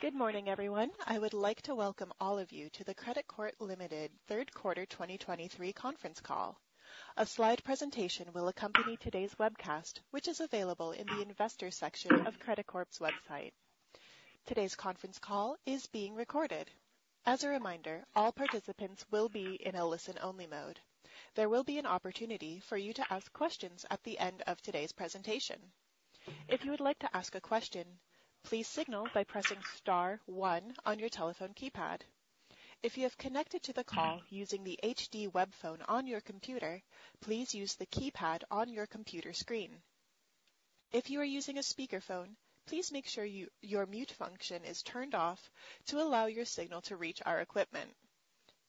Good morning, everyone. I would like to welcome all of you to the Credicorp Limited third quarter 2023 conference call. A slide presentation will accompany today's webcast, which is available in the investors section of Credicorp's website. Today's conference call is being recorded. As a reminder, all participants will be in a listen-only mode. There will be an opportunity for you to ask questions at the end of today's presentation. If you would like to ask a question, please signal by pressing star one on your telephone keypad. If you have connected to the call using the HD web phone on your computer, please use the keypad on your computer screen. If you are using a speakerphone, please make sure your mute function is turned off to allow your signal to reach our equipment.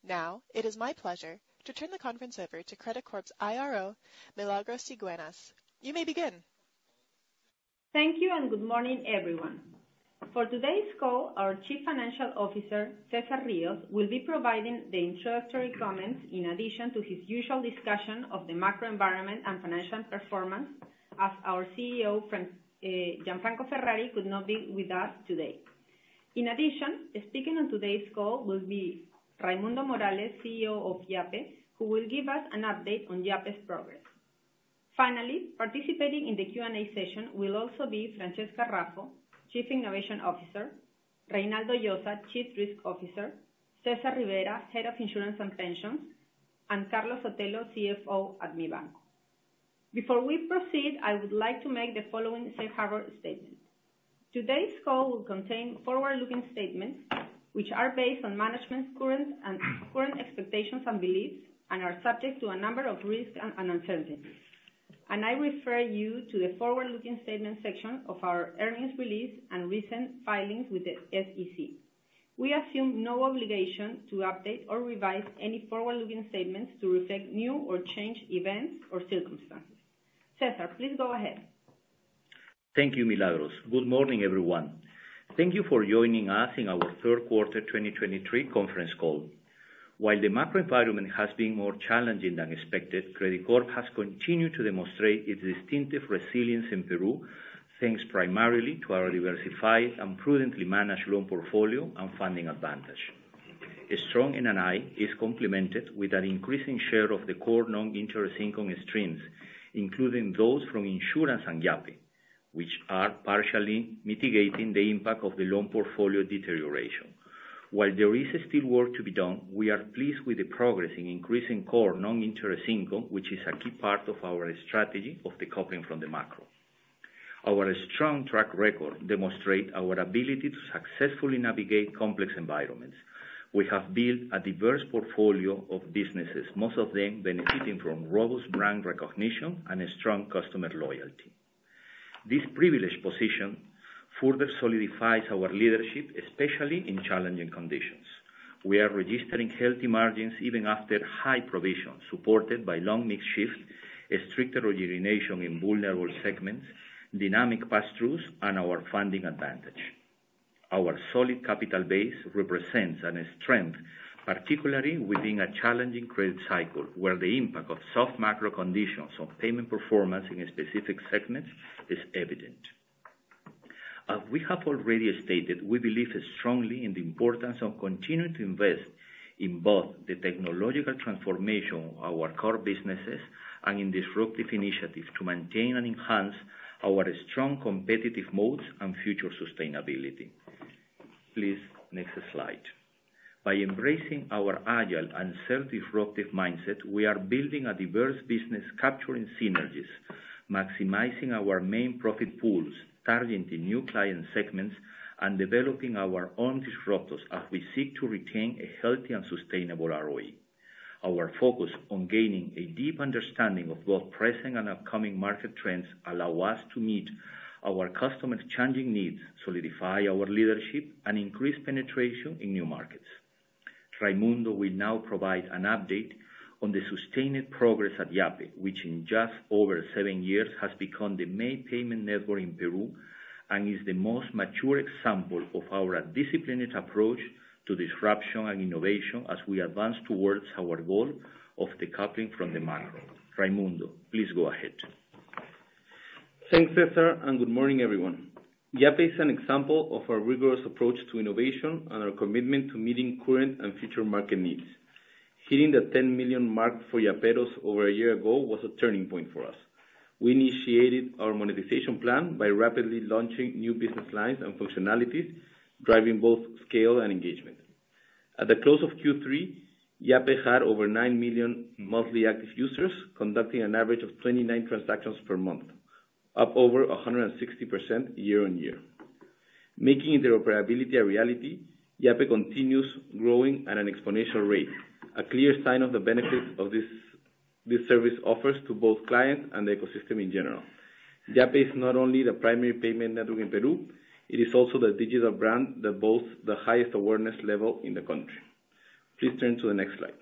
Now, it is my pleasure to turn the conference over to Credicorp's IRO, Milagros Cigueñas. You may begin. Thank you, and good morning, everyone. For today's call, our Chief Financial Officer, Cesar Rios, will be providing the introductory comments in addition to his usual discussion of the macro environment and financial performance, as our CEO, Gianfranco Ferrari, could not be with us today. In addition, speaking on today's call will be Raimundo Morales, CEO of Yape, who will give us an update on Yape's progress. Finally, participating in the Q&A session will also be Francesca Raffo, Chief Innovation Officer; Reynaldo Llosa, Chief Risk Officer; Cesar Rivera, Head of Insurance and Pensions; and Carlos Sotelo, CFO at Mibanco. Before we proceed, I would like to make the following safe harbor statement. Today's call will contain forward-looking statements, which are based on management's current expectations and beliefs and are subject to a number of risks and uncertainties. I refer you to the forward-looking statement section of our earnings release and recent filings with the SEC. We assume no obligation to update or revise any forward-looking statements to reflect new or changed events or circumstances. Cesar, please go ahead. Thank you, Milagros. Good morning, everyone. Thank you for joining us in our third quarter 2023 conference call. While the macro environment has been more challenging than expected, Credicorp has continued to demonstrate its distinctive resilience in Peru, thanks primarily to our diversified and prudently managed loan portfolio and funding advantage. A strong NII is complemented with an increasing share of the core non-interest income streams, including those from insurance and Yape, which are partially mitigating the impact of the loan portfolio deterioration. While there is still work to be done, we are pleased with the progress in increasing core non-interest income, which is a key part of our strategy of decoupling from the macro. Our strong track record demonstrate our ability to successfully navigate complex environments. We have built a diverse portfolio of businesses, most of them benefiting from robust brand recognition and a strong customer loyalty. This privileged position further solidifies our leadership, especially in challenging conditions. We are registering healthy margins even after high provision, supported by loan mix shift, a stricter origination in vulnerable segments, dynamic pass-throughs, and our funding advantage. Our solid capital base represents a strength, particularly within a challenging credit cycle, where the impact of soft macro conditions on payment performance in a specific segment is evident. As we have already stated, we believe strongly in the importance of continuing to invest in both the technological transformation of our core businesses and in disruptive initiatives to maintain and enhance our strong competitive moats and future sustainability. Please, next slide. By embracing our agile and self-disruptive mindset, we are building a diverse business, capturing synergies, maximizing our main profit pools, targeting new client segments, and developing our own disruptors as we seek to retain a healthy and sustainable ROE. Our focus on gaining a deep understanding of both present and upcoming market trends allow us to meet our customers' changing needs, solidify our leadership, and increase penetration in new markets. Raimundo will now provide an update on the sustained progress at Yape, which in just over seven years has become the main payment network in Peru, and is the most mature example of our disciplined approach to disruption and innovation as we advance towards our goal of decoupling from the macro. Raimundo, please go ahead. Thanks, Cesar, and good morning, everyone. Yape is an example of our rigorous approach to innovation and our commitment to meeting current and future market needs. Hitting the 10 million mark for Yaperos over a year ago was a turning point for us. We initiated our monetization plan by rapidly launching new business lines and functionalities, driving both scale and engagement. At the close of Q3, Yape had over 9 million monthly active users, conducting an average of 29 transactions per month, up over 160% year-on-year. Making interoperability a reality, Yape continues growing at an exponential rate, a clear sign of the benefits this service offers to both clients and the ecosystem in general. Yape is not only the primary payment network in Peru. It is also the digital brand that boasts the highest awareness level in the country. Please turn to the next slide.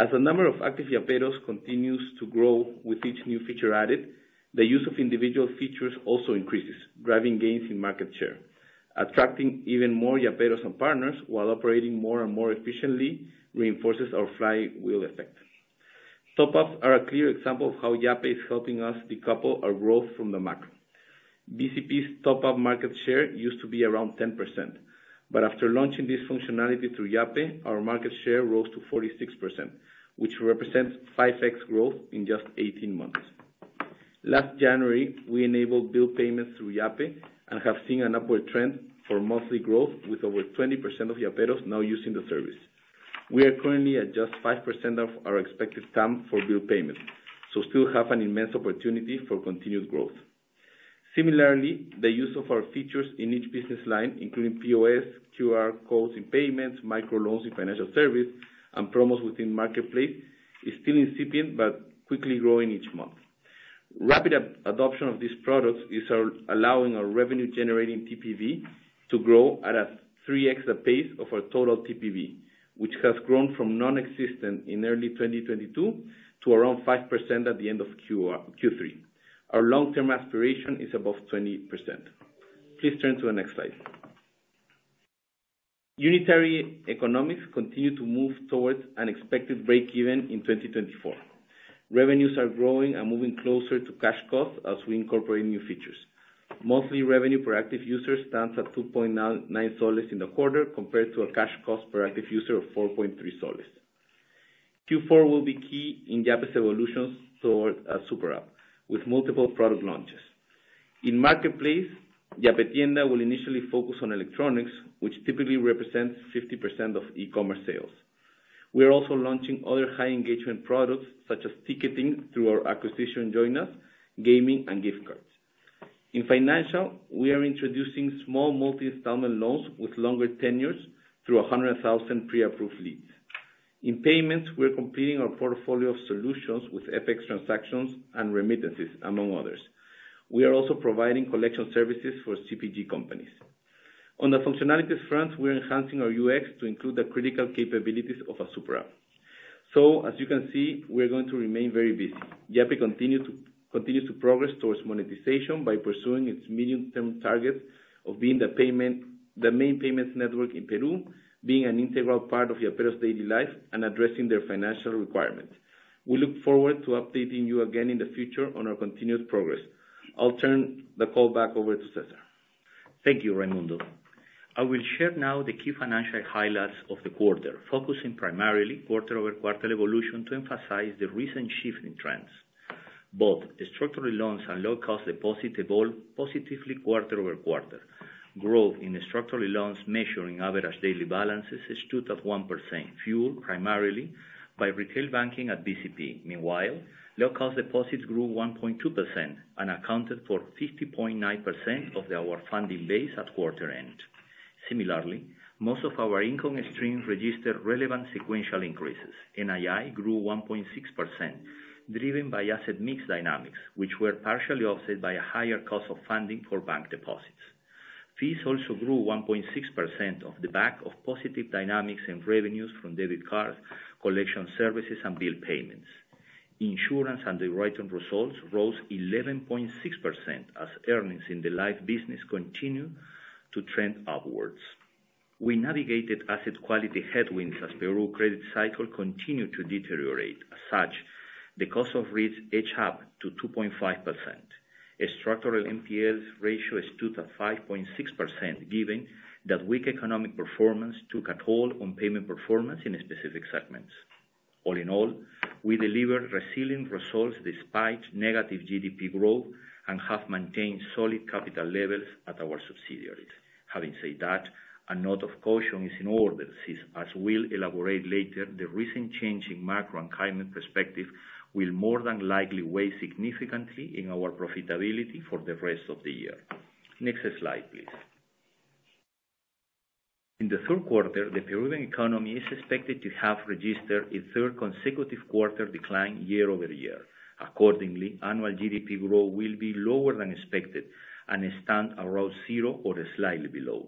As the number of active Yaperos continues to grow with each new feature added, the use of individual features also increases, driving gains in market share, attracting even more Yaperos and partners, while operating more and more efficiently, reinforces our flywheel effect. Top ups are a clear example of how Yape is helping us decouple our growth from the macro. BCP's top up market share used to be around 10%, but after launching this functionality through Yape, our market share rose to 46%, which represents 5x growth in just 18 months. Last January, we enabled bill payments through Yape and have seen an upward trend for monthly growth with over 20% of Yaperos now using the service. We are currently at just 5% of our expected TAM for bill payment, so still have an immense opportunity for continued growth. Similarly, the use of our features in each business line, including POS, QR codes in payments, microloans in financial service, and promos within Marketplace, is still incipient but quickly growing each month. Rapid adoption of these products is allowing our revenue generating TPV to grow at a 3x the pace of our total TPV, which has grown from nonexistent in early 2022 to around 5% at the end of Q3. Our long-term aspiration is above 20%. Please turn to the next slide. Unitary economics continue to move towards an expected breakeven in 2024. Revenues are growing and moving closer to cash costs as we incorporate new features. Monthly revenue per active user stands at PEN 2.99 in the quarter, compared to a cash cost per active user of PEN 4.3. Q4 will be key in Yape's evolution toward a super app with multiple product launches. In Marketplace, Yape Tienda will initially focus on electronics, which typically represents 50% of e-commerce sales. We are also launching other high engagement products, such as ticketing through our acquisition, Joinnus, gaming, and gift cards. In financial, we are introducing small multi-installment loans with longer tenures through 100,000 pre-approved leads. In payments, we are completing our portfolio of solutions with FX transactions and remittances, among others. We are also providing collection services for CPG companies. On the functionalities front, we are enhancing our UX to include the critical capabilities of a super app. So, as you can see, we are going to remain very busy. Yape continues to progress towards monetization by pursuing its medium-term target of being the payment, the main payments network in Peru, being an integral part of Yaperos' daily life, and addressing their financial requirements. We look forward to updating you again in the future on our continued progress. I'll turn the call back over to Cesar. Thank you, Raimundo. I will share now the key financial highlights of the quarter, focusing primarily quarter-over-quarter evolution to emphasize the recent shift in trends. Both structural loans and low-cost deposits evolved positively quarter-over-quarter. Growth in structural loans measuring average daily balances stood at 1%, fueled primarily by retail banking at BCP. Meanwhile, low-cost deposits grew 1.2% and accounted for 50.9% of our funding base at quarter-end. Similarly, most of our income streams registered relevant sequential increases. NII grew 1.6%, driven by asset mix dynamics, which were partially offset by a higher cost of funding for bank deposits. Fees also grew 1.6% off the back of positive dynamics in revenues from debit cards, collection services, and bill payments. Insurance underwriting results rose 11.6%, as earnings in the life business continue to trend upwards. We navigated asset quality headwinds as Peru credit cycle continued to deteriorate. As such, the cost of risk edged up to 2.5%. A structural NPL ratio stood at 5.6%, given that weak economic performance took a toll on payment performance in specific segments. All in all, we delivered resilient results despite negative GDP growth and have maintained solid capital levels at our subsidiaries. Having said that, a note of caution is in order, since as we'll elaborate later, the recent change in macro and climate perspective will more than likely weigh significantly in our profitability for the rest of the year. Next slide, please. In the third quarter, the Peruvian economy is expected to have registered its third consecutive quarter decline year-over-year. Accordingly, annual GDP growth will be lower than expected and stand around zero or slightly below.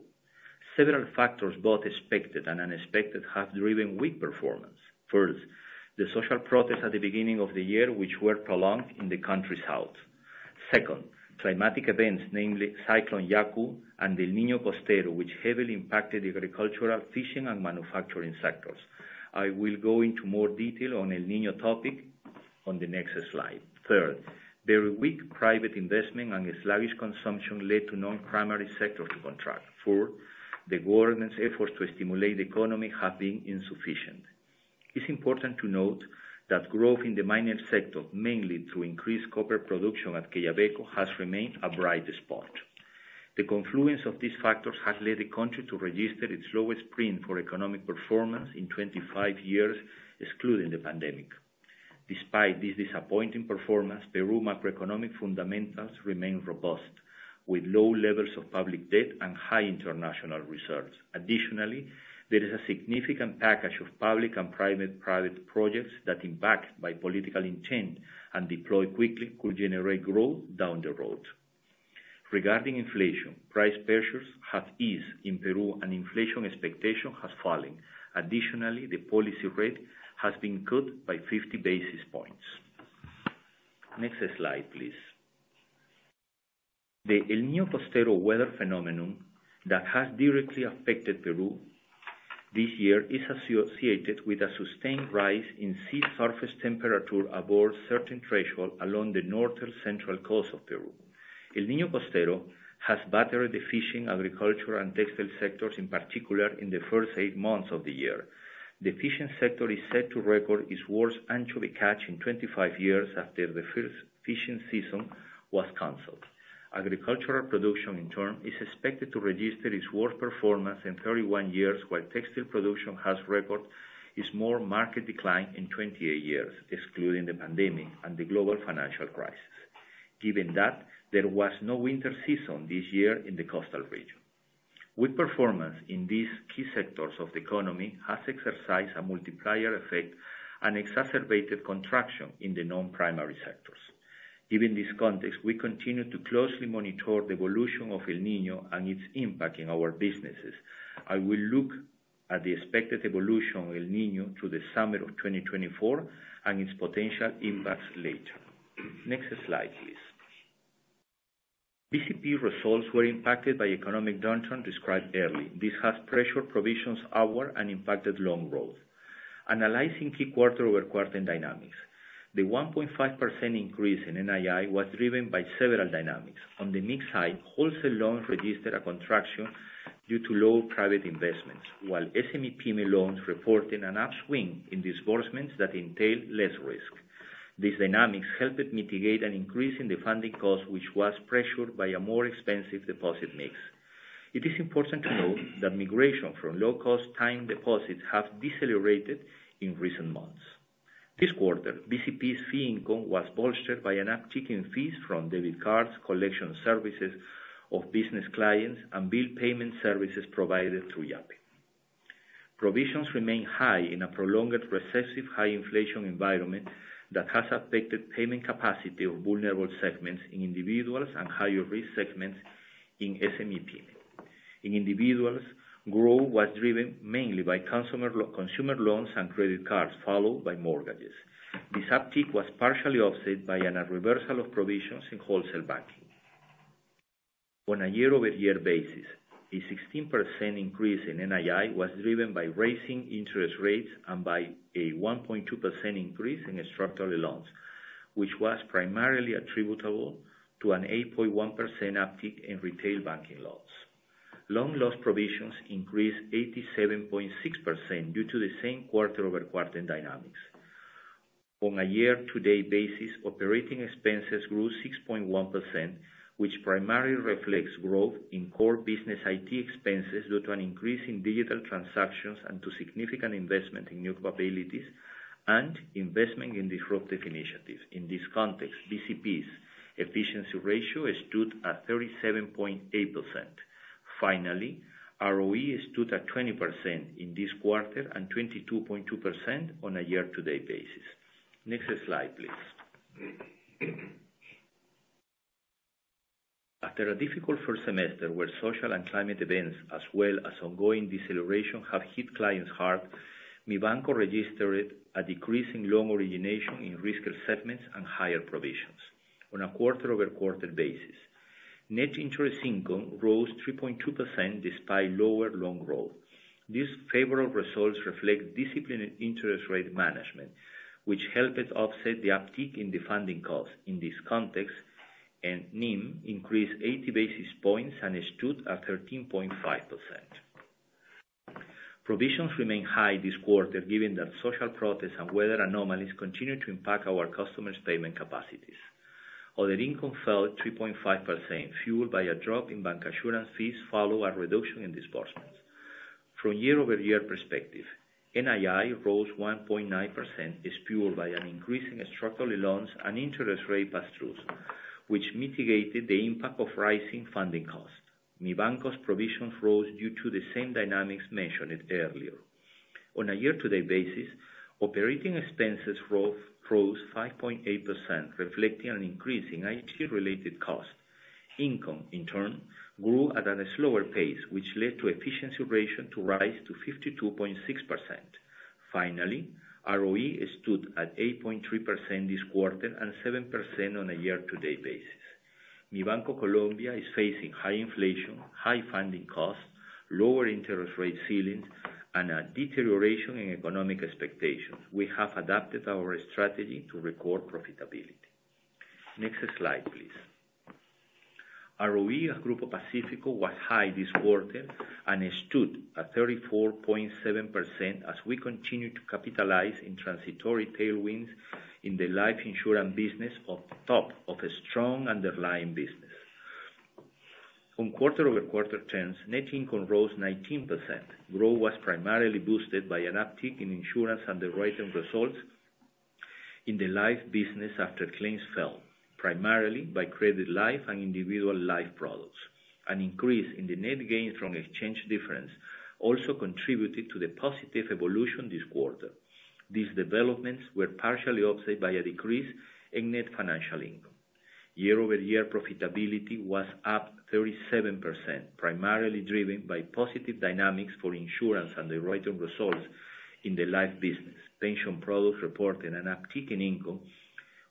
Several factors, both expected and unexpected, have driven weak performance. First, the social protests at the beginning of the year, which were prolonged in the country's health. Second, climatic events, namely Cyclone Yaku and El Niño Costero, which heavily impacted the agricultural, fishing, and manufacturing sectors. I will go into more detail on El Niño topic on the next slide. Third, very weak private investment and a sluggish consumption led to non-primary sectors to contract. Four, the government's efforts to stimulate the economy have been insufficient. It's important to note that growth in the mining sector, mainly through increased copper production at Quellaveco, has remained a bright spot. The confluence of these factors has led the country to register its lowest print for economic performance in 25 years, excluding the pandemic. Despite this disappointing performance, Peru macroeconomic fundamentals remain robust, with low levels of public debt and high international reserves. Additionally, there is a significant package of public and private, private projects that, when backed by political intent and deployed quickly, could generate growth down the road. Regarding inflation, price pressures have eased in Peru and inflation expectation has fallen. Additionally, the policy rate has been cut by 50 basis points.... Next slide, please. The El Niño Costero weather phenomenon that has directly affected Peru this year is associated with a sustained rise in sea surface temperature above certain threshold along the northern central coast of Peru. El Niño Costero has battered the fishing, agriculture, and textile sectors, in particular, in the first eight months of the year. The fishing sector is set to record its worst annual catch in 25 years after the first fishing season was canceled. Agricultural production, in turn, is expected to register its worst performance in 31 years, while textile production has recorded its worst market decline in 28 years, excluding the pandemic and the global financial crisis, given that there was no winter season this year in the coastal region. Weak performance in these key sectors of the economy has exercised a multiplier effect and exacerbated contraction in the non-primary sectors. Given this context, we continue to closely monitor the evolution of El Niño and its impact in our businesses. I will look at the expected evolution of El Niño through the summer of 2024 and its potential impacts later. Next slide, please. BCP results were impacted by economic downturn described earlier. This has pressured provisions hour and impacted loan growth. Analyzing key quarter-over-quarter dynamics, the 1.5% increase in NII was driven by several dynamics. On the mix side, wholesale loans registered a contraction due to low private investments, while SME-Pyme loans reported an upswing in disbursements that entailed less risk. These dynamics helped mitigate an increase in the funding cost, which was pressured by a more expensive deposit mix. It is important to note that migration from low-cost time deposits has decelerated in recent months. This quarter, BCP's fee income was bolstered by an uptick in fees from debit cards, collection services of business clients, and bill payment services provided through Yape. Provisions remain high in a prolonged, recessive, high inflation environment that has affected payment capacity of vulnerable segments in individuals and higher risk segments in SME-Pyme. In individuals, growth was driven mainly by consumer loans and credit cards, followed by mortgages. This uptick was partially offset by a reversal of provisions in wholesale banking. On a year-over-year basis, a 16% increase in NII was driven by raising interest rates and by a 1.2% increase in structural loans, which was primarily attributable to an 8.1% uptick in retail banking loans. Loan loss provisions increased 87.6% due to the same quarter-over-quarter dynamics. On a year-to-date basis, operating expenses grew 6.1%, which primarily reflects growth in core business IT expenses, due to an increase in digital transactions and to significant investment in new capabilities and investment in disruptive initiatives. In this context, BCP's efficiency ratio stood at 37.8%. Finally, ROE stood at 20% in this quarter and 22.2% on a year-to-date basis. Next slide, please. After a difficult first semester, where social and climate events, as well as ongoing deceleration, have hit clients hard, Mibanco registered a decrease in loan origination in riskier segments and higher provisions. On a quarter-over-quarter basis, net interest income rose 3.2%, despite lower loan growth. These favorable results reflect disciplined interest rate management, which helped us offset the uptick in the funding cost. In this context, NIM increased 80 basis points and stood at 13.5%. Provisions remain high this quarter, given that social protests and weather anomalies continue to impact our customers' payment capacities. Other income fell 3.5%, fueled by a drop in bancassurance fees, following a reduction in disbursements. From a year-over-year perspective, NII rose 1.9%, as fueled by an increase in structural loans and interest rate pass-throughs, which mitigated the impact of rising funding costs. Mibanco's provisions rose due to the same dynamics mentioned earlier. On a year-to-date basis, operating expenses growth rose 5.8%, reflecting an increase in IT-related costs. Income, in turn, grew at a slower pace, which led to efficiency ratio to rise to 52.6%. Finally, ROE stood at 8.3% this quarter, and 7% on a year-to-date basis. Mibanco Colombia is facing high inflation, high funding costs, lower interest rate ceilings, and a deterioration in economic expectations. We have adapted our strategy to record profitability. Next slide, please. ROE at Grupo Pacífico was high this quarter, and it stood at 34.7%, as we continue to capitalize in transitory tailwinds in the life insurance business of the top of a strong underlying business. On quarter-over-quarter terms, net income rose 19%. Growth was primarily boosted by an uptick in insurance underwriting results in the life business after claims fell, primarily by credit life and individual life products. An increase in the net gains from exchange difference also contributed to the positive evolution this quarter. These developments were partially offset by a decrease in net financial income. Year-over-year profitability was up 37%, primarily driven by positive dynamics for insurance and the return results in the life business. Pension products reported an uptick in income,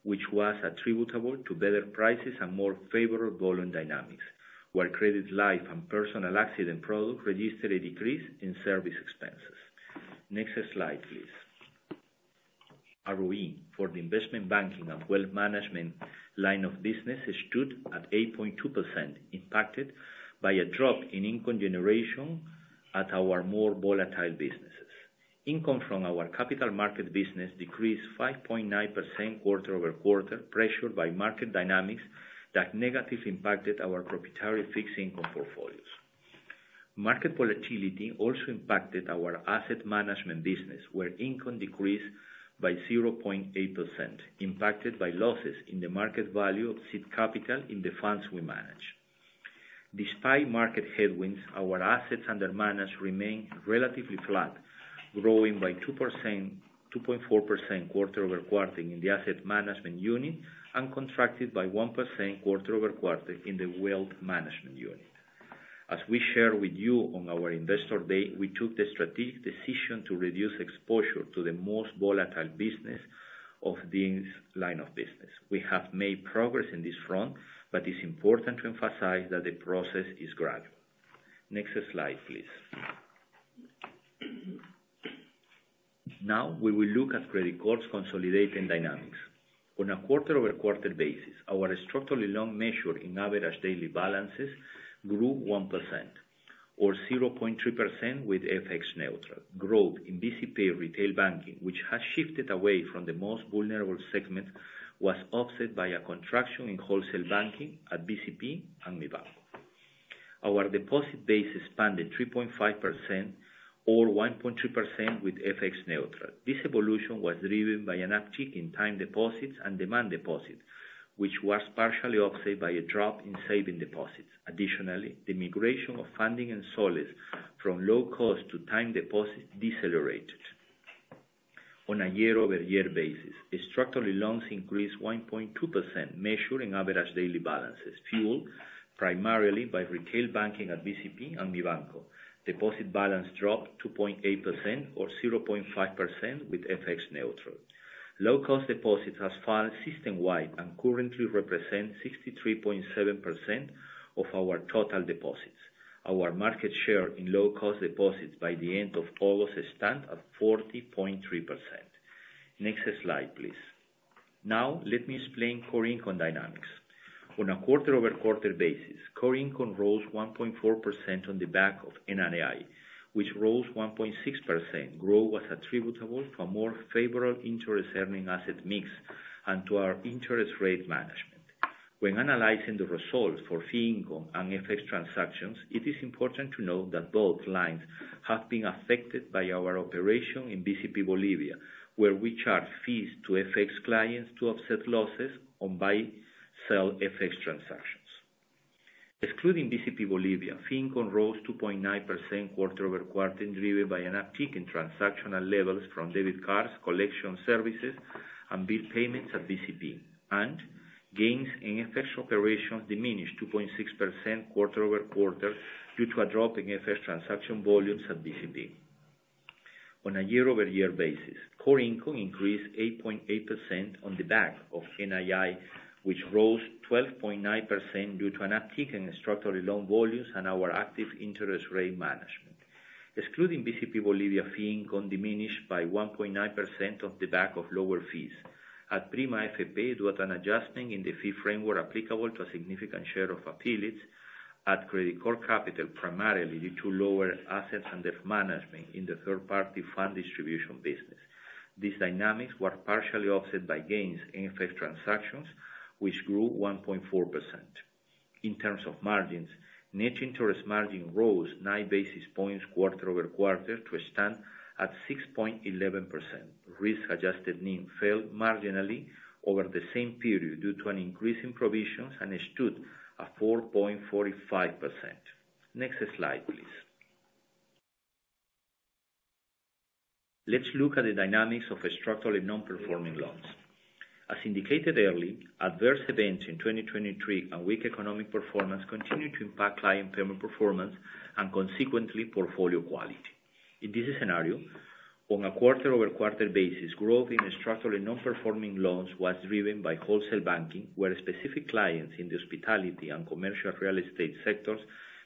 which was attributable to better prices and more favorable volume dynamics, where credit life and personal accident products registered a decrease in service expenses. Next slide, please. ROE for the investment banking and wealth management line of business stood at 8.2%, impacted by a drop in income generation at our more volatile businesses. Income from our capital market business decreased 5.9% quarter-over-quarter, pressured by market dynamics that negatively impacted our proprietary fixed income portfolios. Market volatility also impacted our asset management business, where income decreased by 0.8%, impacted by losses in the market value of seed capital in the funds we manage. Despite market headwinds, our assets under management remain relatively flat, growing by 2%, 2.4% quarter-over-quarter in the asset management unit, and contracted by 1% quarter-over-quarter in the wealth management unit. As we shared with you on our Investor Day, we took the strategic decision to reduce exposure to the most volatile business of these lines of business. We have made progress in this front, but it's important to emphasize that the process is gradual. Next slide, please. Now, we will look at Credicorp's consolidating dynamics. On a quarter-over-quarter basis, our structurally loan measure in average daily balances grew 1%, or 0.3% with FX neutral. Growth in BCP Retail Banking, which has shifted away from the most vulnerable segment, was offset by a contraction in wholesale banking at BCP and Mibanco. Our deposit base expanded 3.5% or 1.2% with FX neutral. This evolution was driven by an uptick in time deposits and demand deposits, which was partially offset by a drop in savings deposits. Additionally, the migration of funding sources from low cost to time deposits decelerated. On a year-over-year basis, structurally, loans increased 1.2%, measuring average daily balances, fueled primarily by retail banking at BCP and Mibanco. Deposit balances dropped 2.8% or 0.5% with FX neutral. Low cost deposits have fallen system-wide and currently represent 63.7% of our total deposits. Our market share in low cost deposits by the end of August stand at 40.3%. Next slide, please. Now, let me explain core income dynamics. On a quarter-over-quarter basis, core income rose 1.4% on the back of NII, which rose 1.6%. Growth was attributable to a more favorable interest earning asset mix and to our interest rate management. When analyzing the results for fee income and FX transactions, it is important to note that both lines have been affected by our operation in BCP Bolivia, where we charge fees to FX clients to offset losses on buy, sell FX transactions. Excluding BCP Bolivia, fee income rose 2.9% quarter-over-quarter, driven by an uptick in transactional levels from debit cards, collection services, and bill payments at BCP, and gains in FX operations diminished 2.6% quarter-over-quarter due to a drop in FX transaction volumes at BCP. On a year-over-year basis, core income increased 8.8% on the back of NII, which rose 12.9% due to an uptick in structural loan volumes and our active interest rate management. Excluding BCP Bolivia, fee income diminished by 1.9% on the back of lower fees. At Prima AFP, due to an adjustment in the fee framework applicable to a significant share of affiliates at Credicorp Capital, primarily due to lower assets under management in the third-party fund distribution business. These dynamics were partially offset by gains in FX transactions, which grew 1.4%. In terms of margins, net interest margin rose 9 basis points quarter-over-quarter to stand at 6.11%. Risk-adjusted NIM fell marginally over the same period due to an increase in provisions and stood at 4.45%. Next slide, please. Let's look at the dynamics of structurally non-performing loans. As indicated early, adverse events in 2023 and weak economic performance continued to impact client payment performance and consequently, portfolio quality. In this scenario, on a quarter-over-quarter basis, growth in structurally non-performing loans was driven by wholesale banking, where specific clients in the hospitality and commercial real estate sectors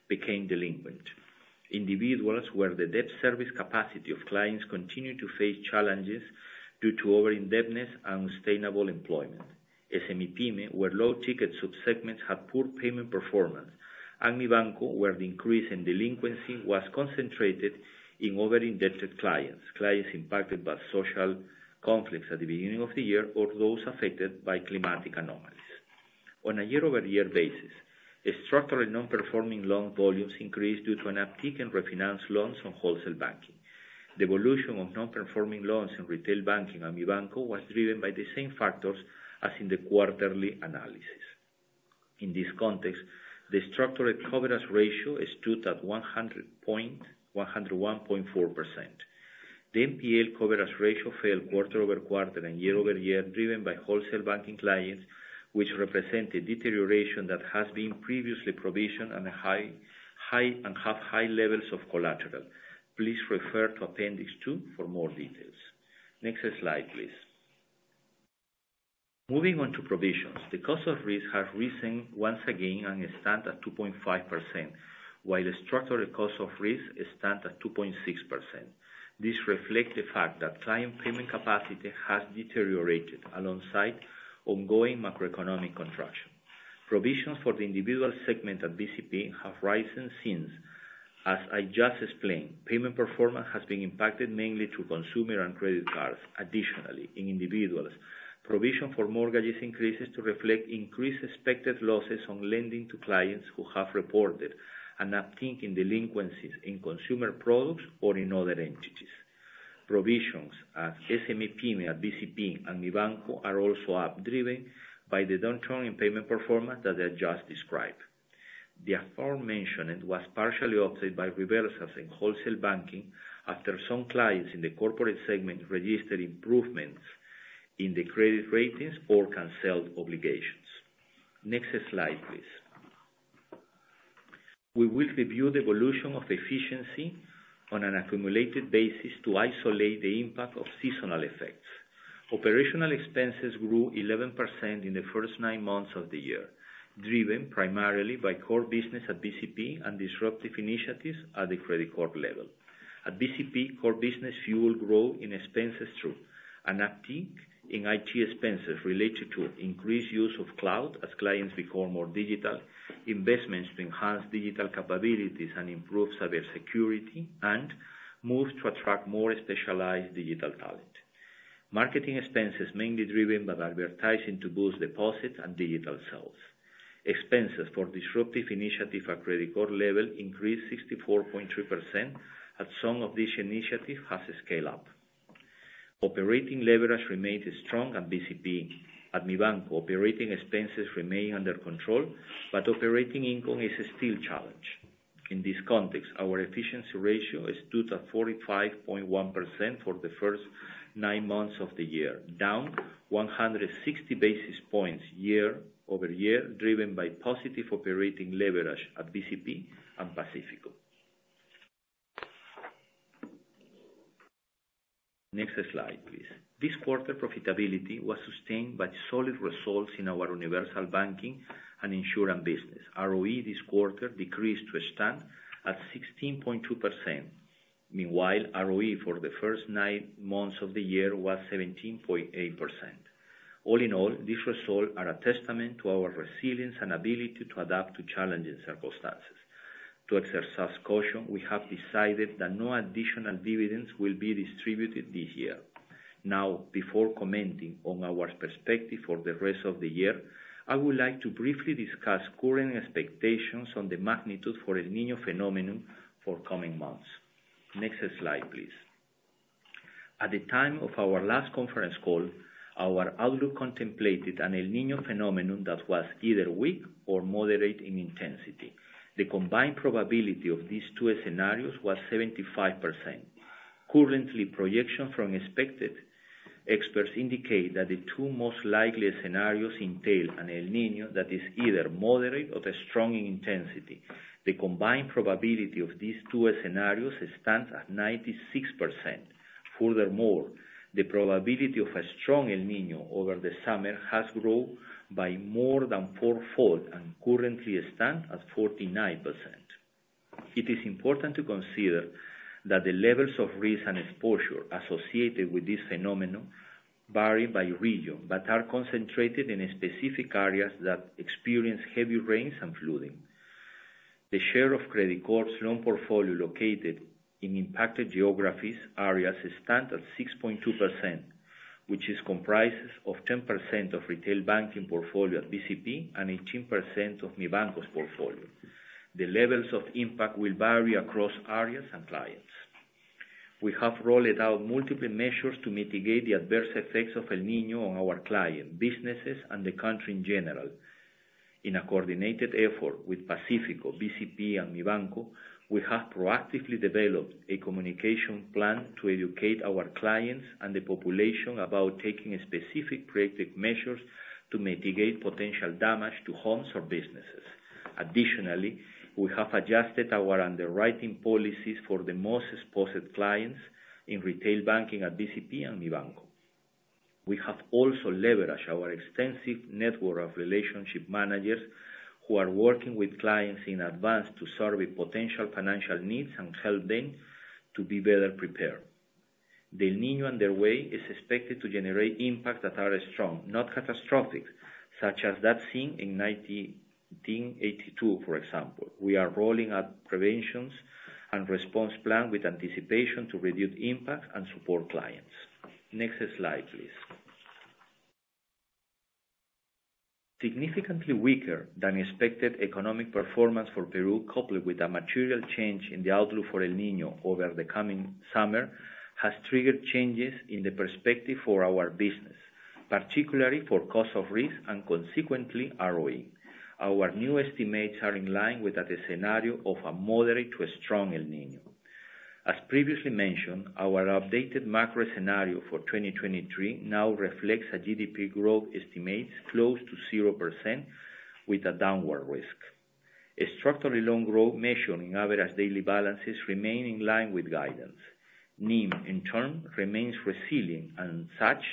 became delinquent. Individuals, where the debt service capacity of clients continued to face challenges due to over-indebtedness and unsustainable employment. SME-Pyme, where low ticket subsegments have poor payment performance, and Mibanco, where the increase in delinquency was concentrated in over-indebted clients, clients impacted by social conflicts at the beginning of the year, or those affected by climatic anomalies. On a year-over-year basis, the structural non-performing loan volumes increased due to an uptick in refinance loans on wholesale banking. The evolution of non-performing loans in retail banking on Mibanco was driven by the same factors as in the quarterly analysis. In this context, the structural coverage ratio stood at 101.4%. The NPL coverage ratio fell quarter-over-quarter and year-over-year, driven by wholesale banking clients, which represent a deterioration that has been previously provisioned on a high, high, and have high levels of collateral. Please refer to Appendix Two for more details. Next slide, please. Moving on to provisions, the cost of risk has risen once again and stand at 2.5%, while the structural cost of risk stand at 2.6%. This reflect the fact that client payment capacity has deteriorated alongside ongoing macroeconomic contraction. Provisions for the individual segment at BCP have risen since, as I just explained, payment performance has been impacted mainly to consumer and credit cards. Additionally, in individuals, provision for mortgages increases to reflect increased expected losses on lending to clients who have reported an uptick in delinquencies in consumer products or in other entities. Provisions at SME, PYME, at BCP, and Mibanco are also up, driven by the downturn in payment performance that I just described. The aforementioned was partially offset by reversals in wholesale banking, after some clients in the corporate segment registered improvements in the credit ratings or canceled obligations. Next slide, please. We will review the evolution of efficiency on an accumulated basis to isolate the impact of seasonal effects. Operational expenses grew 11% in the first nine months of the year, driven primarily by core business at BCP and disruptive initiatives at the Credicorp level. At BCP, core business fueled growth in expenses through an uptick in IT expenses related to increased use of cloud as clients become more digital, investments to enhance digital capabilities and improve cyber security, and moves to attract more specialized digital talent. Marketing expenses mainly driven by advertising to boost deposits and digital sales. Expenses for disruptive initiatives at Credicorp level increased 64.3%, as some of these initiatives have scaled up. Operating leverage remains strong at BCP. At Mibanco, operating expenses remain under control, but operating income is still challenged. In this context, our efficiency ratio stood at 45.1% for the first nine months of the year, down 160 basis points year-over-year, driven by positive operating leverage at BCP and Pacífico. Next slide, please. This quarter, profitability was sustained by solid results in our universal banking and insurance business. ROE this quarter decreased to a stand at 16.2%. Meanwhile, ROE for the first nine months of the year was 17.8%. All in all, these results are a testament to our resilience and ability to adapt to challenging circumstances. To exercise caution, we have decided that no additional dividends will be distributed this year. Now, before commenting on our perspective for the rest of the year, I would like to briefly discuss current expectations on the magnitude for El Niño phenomenon for coming months. Next slide, please. At the time of our last conference call, our outlook contemplated an El Niño phenomenon that was either weak or moderate in intensity. The combined probability of these two scenarios was 75%. Currently, projection from expected experts indicate that the two most likely scenarios entail an El Niño that is either moderate or the strong in intensity. The combined probability of these two scenarios stands at 96%. Furthermore, the probability of a strong El Niño over the summer has grown by more than fourfold and currently stands at 49%. It is important to consider that the levels of risk and exposure associated with this phenomenon vary by region, but are concentrated in specific areas that experience heavy rains and flooding. The share of Credicorp's loan portfolio located in impacted geographies areas stands at 6.2%, which comprises 10% of retail banking portfolio at BCP and 18% of Mibanco's portfolio. The levels of impact will vary across areas and clients. We have rolled out multiple measures to mitigate the adverse effects of El Niño on our clients, businesses, and the country in general. In a coordinated effort with Pacífico, BCP, and Mibanco, we have proactively developed a communication plan to educate our clients and the population about taking specific preventive measures to mitigate potential damage to homes or businesses. Additionally, we have adjusted our underwriting policies for the most exposed clients in retail banking at BCP and Mibanco. We have also leveraged our extensive network of relationship managers, who are working with clients in advance to survey potential financial needs and help them to be better prepared. The El Niño underway is expected to generate impacts that are strong, not catastrophic, such as that seen in 1982, for example. We are rolling out preventions and response plan with anticipation to reduce impact and support clients. Next slide, please. Significantly weaker than expected economic performance for Peru, coupled with a material change in the outlook for El Niño over the coming summer, has triggered changes in the perspective for our business.... particularly for Cost of Risk and consequently ROE. Our new estimates are in line with the scenario of a moderate to strong El Niño. As previously mentioned, our updated macro scenario for 2023 now reflects a GDP growth estimate close to 0% with a downward risk. A structurally long growth measure in average daily balances remain in line with guidance. NIM, in turn, remains resilient, and such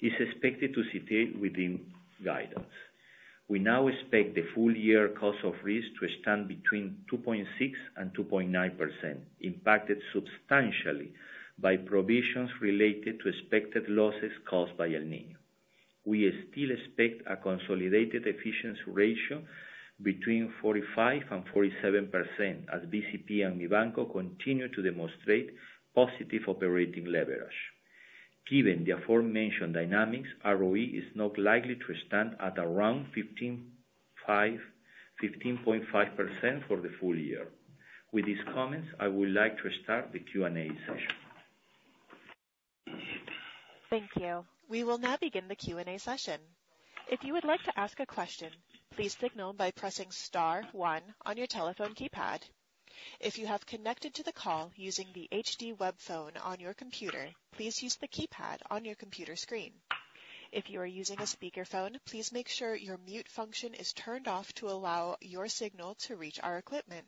is expected to stay within guidance. We now expect the full year cost of risk to stand between 2.6% and 2.9%, impacted substantially by provisions related to expected losses caused by El Niño. We still expect a consolidated efficiency ratio between 45% and 47%, as BCP and Mibanco continue to demonstrate positive operating leverage. Given the aforementioned dynamics, ROE is not likely to stand at around 15.5% for the full year. With these comments, I would like to start the Q&A session. Thank you. We will now begin the Q&A session. If you would like to ask a question, please signal by pressing star one on your telephone keypad. If you have connected to the call using the HD web phone on your computer, please use the keypad on your computer screen. If you are using a speakerphone, please make sure your mute function is turned off to allow your signal to reach our equipment.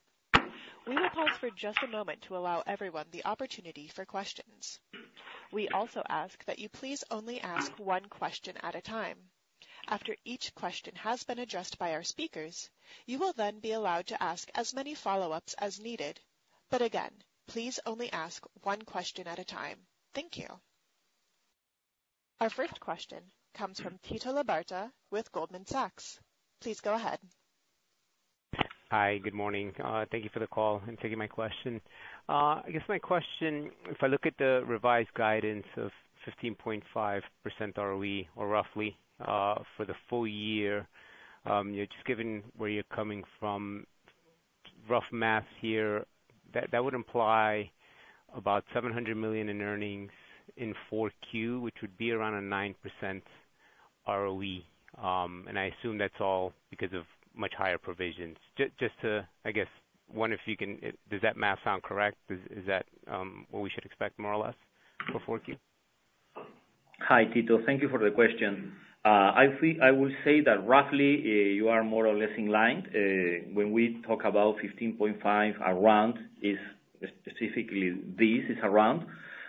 We will pause for just a moment to allow everyone the opportunity for questions. We also ask that you please only ask one question at a time. After each question has been addressed by our speakers, you will then be allowed to ask as many follow-ups as needed. But again, please only ask one question at a time. Thank you. Our first question comes from Tito Labarta with Goldman Sachs. Please go ahead. Hi, good morning. Thank you for the call, and thank you for my question. I guess my question, if I look at the revised guidance of 15.5% ROE, or roughly, for the full year, you know, just given where you're coming from, rough math here, that would imply about $700 million in earnings in 4Q, which would be around a 9% ROE. And I assume that's all because of much higher provisions. Just to, I guess, wonder if you can. Does that math sound correct? Is that what we should expect more or less for 4Q? Hi, Tito. Thank you for the question. I think I will say that roughly, you are more or less in line. When we talk about 15.5% around, it's specifically this, it's around.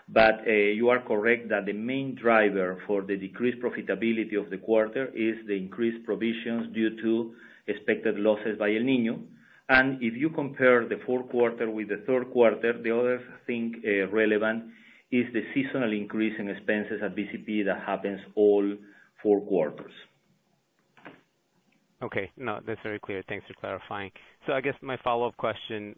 But, you are correct that the main driver for the decreased profitability of the quarter is the increased provisions due to expected losses by El Niño. And if you compare the fourth quarter with the third quarter, the other thing, relevant is the seasonal increase in expenses at BCP. That happens all four quarters. Okay. No, that's very clear. Thanks for clarifying. So I guess my follow-up question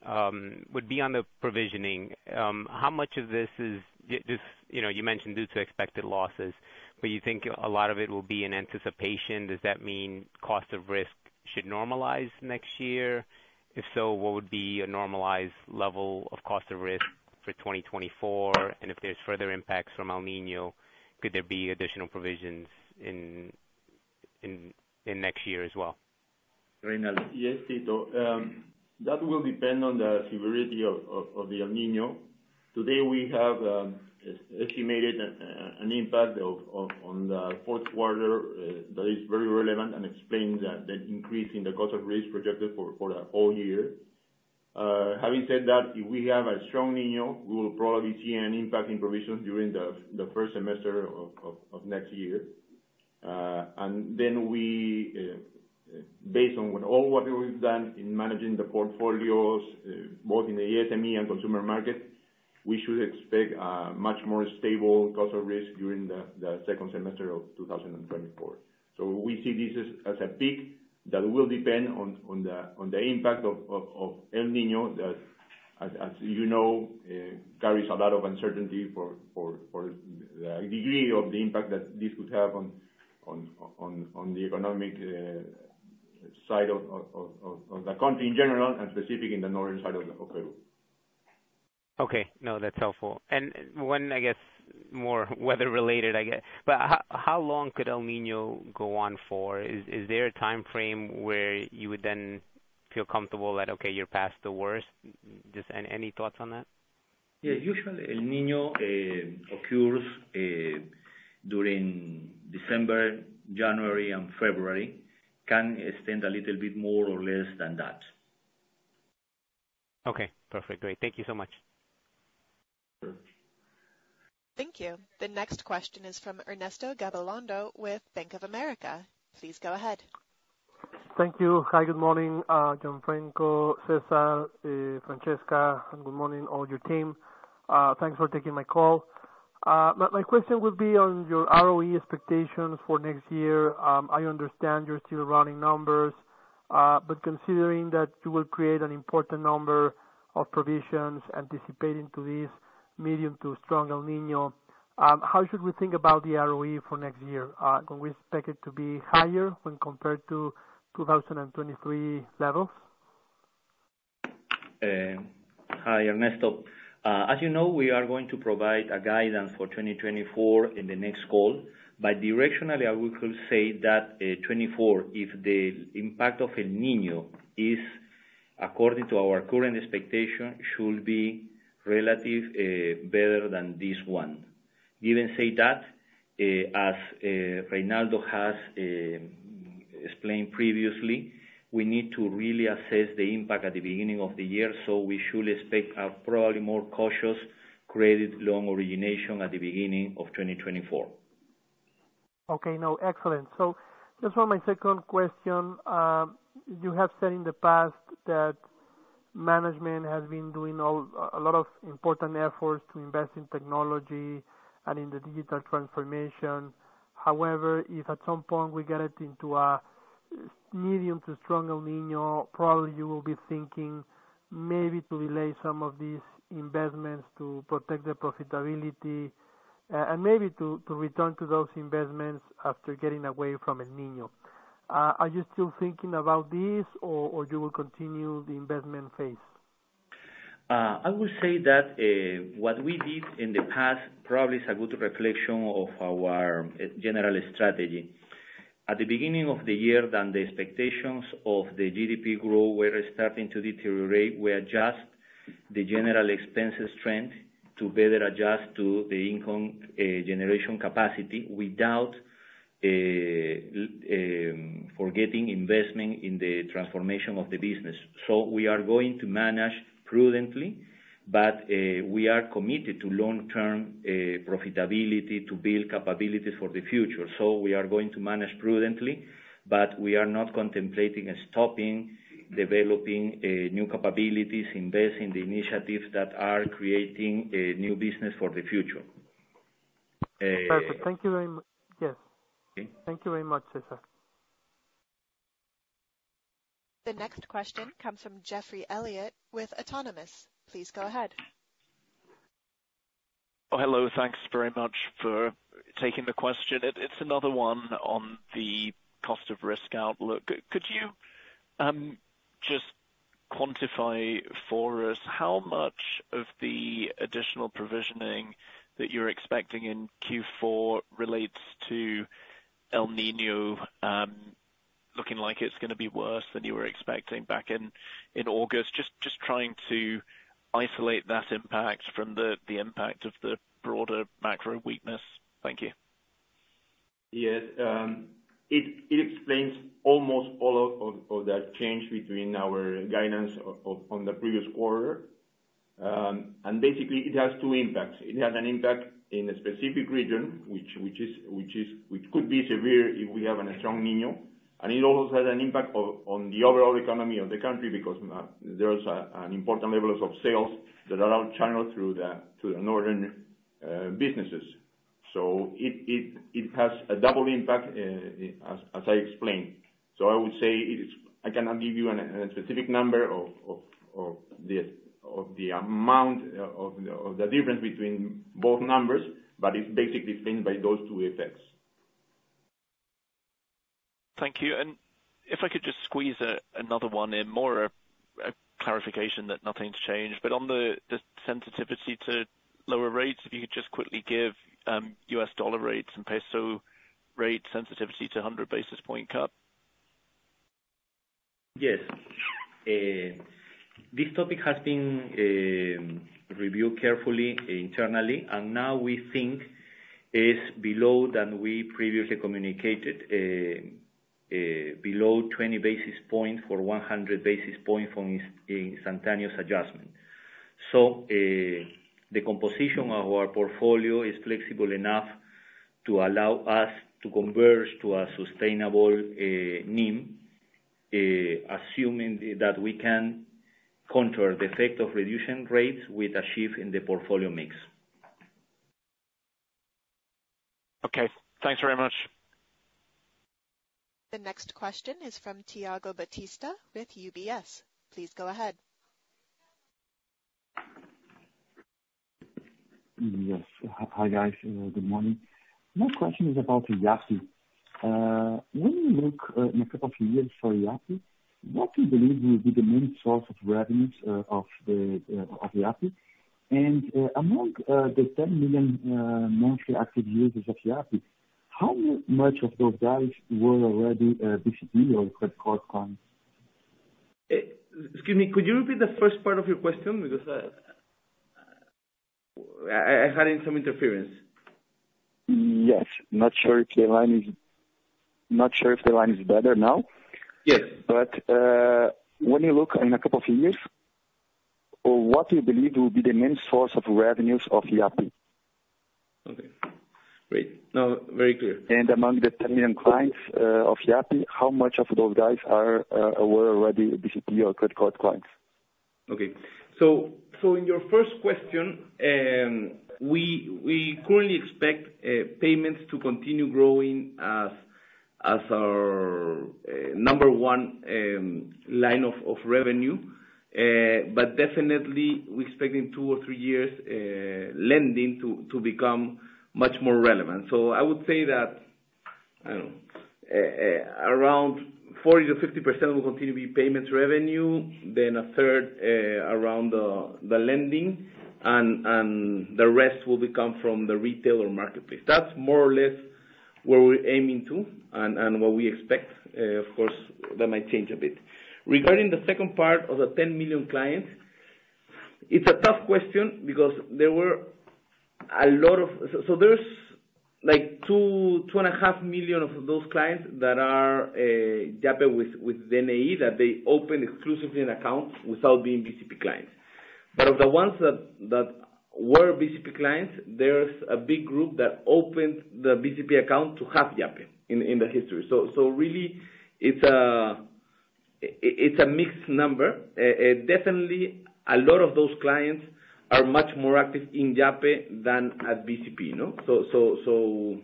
would be on the provisioning. How much of this is this, you know, you mentioned due to expected losses, but you think a lot of it will be in anticipation. Does that mean Cost of Risk should normalize next year? If so, what would be a normalized level of Cost of Risk for 2024? And if there's further impacts from El Niño, could there be additional provisions in next year as well? Yes, Tito. That will depend on the severity of the El Niño. Today, we have estimated an impact on the fourth quarter that is very relevant and explains the increase in the cost of risk projected for the whole year. Having said that, if we have a strong Niño, we will probably see an impact in provisions during the first semester of next year. And then we, based on what we've done in managing the portfolios, both in the SME and consumer market, we should expect a much more stable cost of risk during the second semester of 2024. So we see this as a peak that will depend on the impact of El Niño, that, as you know, carries a lot of uncertainty for the degree of the impact that this could have on the economic side of the country in general and specific in the northern side of Peru. Okay. No, that's helpful. And one, I guess, more weather related, I guess, but how, how long could El Niño go on for? Is, is there a timeframe where you would then feel comfortable that, okay, you're past the worst? Just any, any thoughts on that? Yeah. Usually, El Niño occurs during December, January and February, can extend a little bit more or less than that. Okay, perfect. Great. Thank you so much. Thank you. The next question is from Ernesto Gabilondo with Bank of America. Please go ahead. Thank you. Hi, good morning, Gianfranco, Cesar, Francesca, and good morning, all your team. Thanks for taking my call. My, my question would be on your ROE expectations for next year. I understand you're still running numbers, but considering that you will create an important number of provisions anticipating to this medium to strong El Niño, how should we think about the ROE for next year? Can we expect it to be higher when compared to 2023 levels? Hi, Ernesto. As you know, we are going to provide a guidance for 2024 in the next call, but directionally, I would say that, 2024, if the impact of El Niño is according to our current expectation, should be relative, better than this one. Given that, as Reynaldo has explained previously, we need to really assess the impact at the beginning of the year, so we should expect a probably more cautious credit loan origination at the beginning of 2024. Okay, now, excellent. So just for my second question, you have said in the past that management has been doing all, a lot of important efforts to invest in technology and in the digital transformation. However, if at some point we get it into a medium to strong El Niño, probably you will be thinking maybe to delay some of these investments to protect the profitability, and maybe to return to those investments after getting away from El Niño. Are you still thinking about this, or you will continue the investment phase? I would say that, what we did in the past probably is a good reflection of our, general strategy. At the beginning of the year, when the expectations of the GDP growth were starting to deteriorate, we adjust the general expenses trend to better adjust to the income, generation capacity, without, forgetting investment in the transformation of the business. So we are going to manage prudently, but, we are committed to long-term, profitability to build capability for the future. So we are going to manage prudently, but we are not contemplating stopping, developing, new capabilities, invest in the initiatives that are creating, new business for the future. Perfect. Thank you very much, yes. Okay. Thank you very much, Cesar. The next question comes from Geoffrey Elliott with Autonomous. Please go ahead. Oh, hello. Thanks very much for taking the question. It's another one on the cost of risk outlook. Could you just quantify for us how much of the additional provisioning that you're expecting in Q4 relates to El Niño looking like it's gonna be worse than you were expecting back in August? Just trying to isolate that impact from the impact of the broader macro weakness. Thank you. Yes, it explains almost all of that change between our guidance on the previous quarter. And basically it has two impacts. It has an impact in a specific region, which could be severe if we have a strong Niño, and it also has an impact on the overall economy of the country, because there is an important level of sales that are channeled through the northern businesses. So it has a double impact, as I explained. So I would say it is. I cannot give you a specific number of the amount of the difference between both numbers, but it's basically explained by those two effects. Thank you, and if I could just squeeze another one in, more of a clarification that nothing's changed. But on the sensitivity to lower rates, if you could just quickly give US dollar rates and peso rate sensitivity to a 100 basis point cut? Yes. This topic has been reviewed carefully internally, and now we think it's below than we previously communicated, below 20 basis points for 100 basis point from this instantaneous adjustment. So, the composition of our portfolio is flexible enough to allow us to converge to a sustainable NIM, assuming that we can counter the effect of reduction rates with a shift in the portfolio mix. Okay. Thanks very much. The next question is from Thiago Batista with UBS. Please go ahead. Yes. Hi, guys, good morning. My question is about Yape. When you look in a couple of years for Yape, what do you believe will be the main source of revenues of Yape? And among the 10 million monthly active users of Yape, how much of those guys were already BCP or credit card clients? Excuse me, could you repeat the first part of your question? Because, I had some interference. Yes. Not sure if the line is better now. Yes. But, when you look in a couple of years, what do you believe will be the main source of revenues of Yape? Okay, great. Now very clear. Among the 10 million clients of Yape, how much of those guys are were already BCP or credit card clients? Okay. So in your first question, we currently expect payments to continue growing as our number one line of revenue. But definitely we expect in two or three years lending to become much more relevant. So I would say that around 40%-50% will continue to be payments revenue, then a third, around the, the lending, and, and the rest will become from the retailer marketplace. That's more or less where we're aiming to and, and what we expect. Of course, that might change a bit. Regarding the second part of the 10 million clients, it's a tough question because there were a lot of- so there's like 2-2.5 million of those clients that are, Yape with, with DNI, that they open exclusively an account without being BCP clients. But of the ones that, that were BCP clients, there's a big group that opened the BCP account to have Yape in, in the history. So, so really it's a, it's a mixed number. Definitely a lot of those clients are much more active in Yape than at BCP, you know? So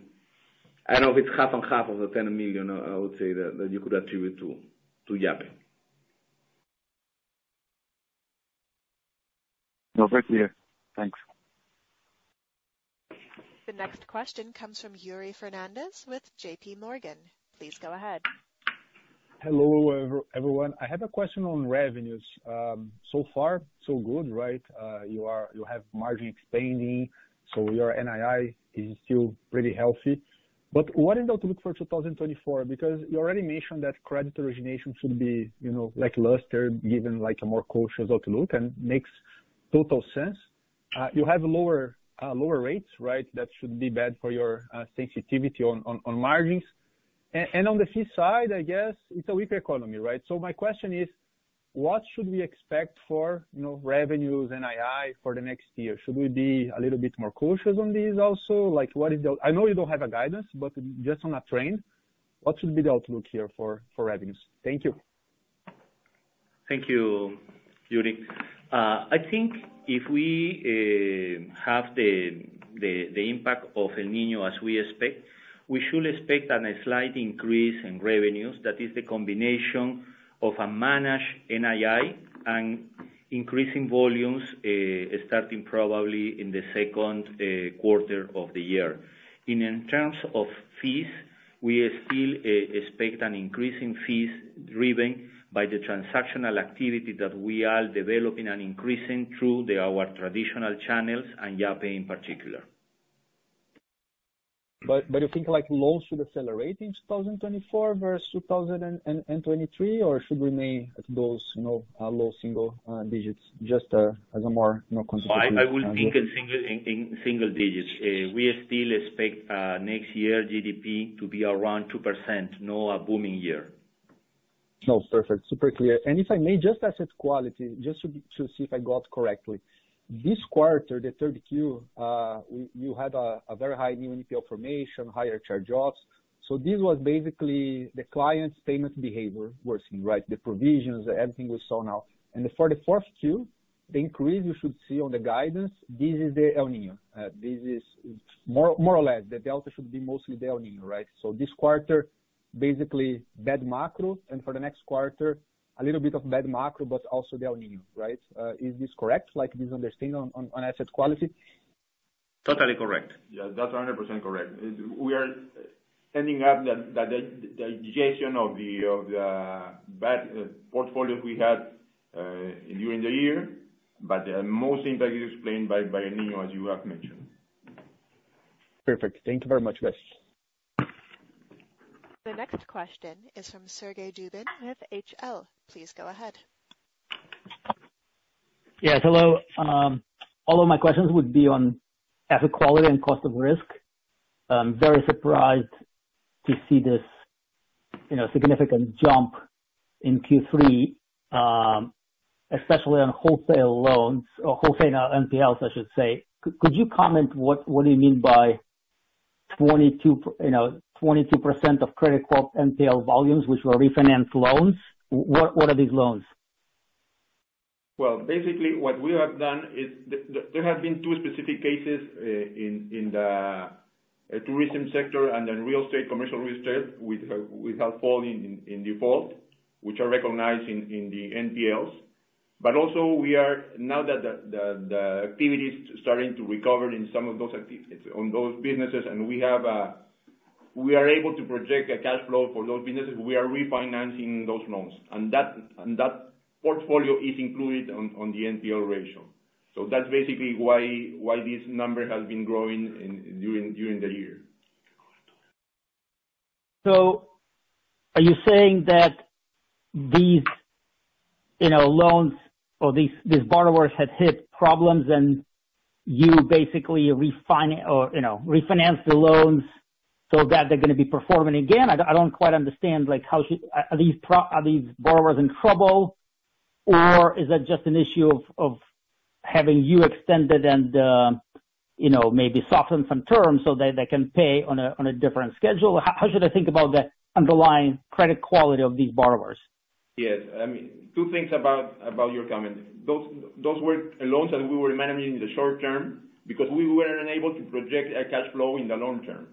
I know it's half and half of the 10 million, I would say, that you could attribute to Yape. No, very clear. Thanks. The next question comes from Yuri Fernandes with JPMorgan. Please go ahead. Hello, everyone. I have a question on revenues. So far, so good, right? You have margin expanding, so your NII is still pretty healthy. But what is the outlook for 2024? Because you already mentioned that credit origination should be, you know, like, luster, given, like, a more cautious outlook, and makes total sense. You have lower, lower rates, right? That shouldn't be bad for your sensitivity on margins. And on the fee side, I guess it's a weak economy, right? So my question is: What should we expect for, you know, revenues, NII, for the next year? Should we be a little bit more cautious on this also? Like, what is the... I know you don't have a guidance, but just on a trend, what should be the outlook here for revenues? Thank you. Thank you, Yuri. I think if we have the impact of El Niño as we expect, we should expect a slight increase in revenues. That is the combination of a managed NII and increasing volumes, starting probably in the second quarter of the year. In terms of fees, we still expect an increase in fees driven by the transactional activity that we are developing and increasing through our traditional channels and Yape in particular. But you think, like, loans should accelerate in 2024 versus 2023? Or should remain at those, you know, low single digits, just as a more, you know, conservative- I would think in single digits. We still expect next year GDP to be around 2%, not a booming year. No, perfect. Super clear. And if I may, just asset quality, just to see if I got correctly. This quarter, the third Q, you had a very high new NPL formation, higher charge-offs. So this was basically the client's payment behavior worsening, right? The provisions, everything we saw now. And for the fourth Q, the increase you should see on the guidance, this is the El Niño. This is more or less, the delta should be mostly the El Niño, right? So this quarter, basically bad macro, and for the next quarter, a little bit of bad macro, but also the El Niño, right? Is this correct, like this understanding on asset quality? Totally correct. Yeah, that's 100% correct. We are ending up the digestion of the bad portfolios we had during the year, but mostly that is explained by El Niño, as you have mentioned. Perfect. Thank you very much, guys. The next question is from Sergey Dubin with HL. Please go ahead. Yes, hello. All of my questions would be on asset quality and cost of risk. I'm very surprised to see this, you know, significant jump in Q3, especially on wholesale loans or wholesale NPLs, I should say. Could you comment what, what do you mean by 22, you know, 22% of credit card NPL volumes, which were refinanced loans? What, what are these loans? Well, basically, what we have done is. There have been two specific cases in the tourism sector and in real estate, commercial real estate, which have fallen in default, which are recognized in the NPLs. But also, now that the activity is starting to recover in some of those activities on those businesses, and we are able to project a cash flow for those businesses, we are refinancing those loans. And that portfolio is included on the NPL ratio. So that's basically why this number has been growing during the year. So are you saying that these, you know, loans or these borrowers had hit problems and you basically refinanced the loans so that they're gonna be performing again? I don't, I don't quite understand, like, how should I think about... Are these borrowers in trouble, or is that just an issue of having you extend it and, you know, maybe soften some terms so that they can pay on a different schedule? How should I think about the underlying credit quality of these borrowers? Yes. I mean, two things about your comment. Those were loans that we were managing in the short term because we were unable to project a cash flow in the long term.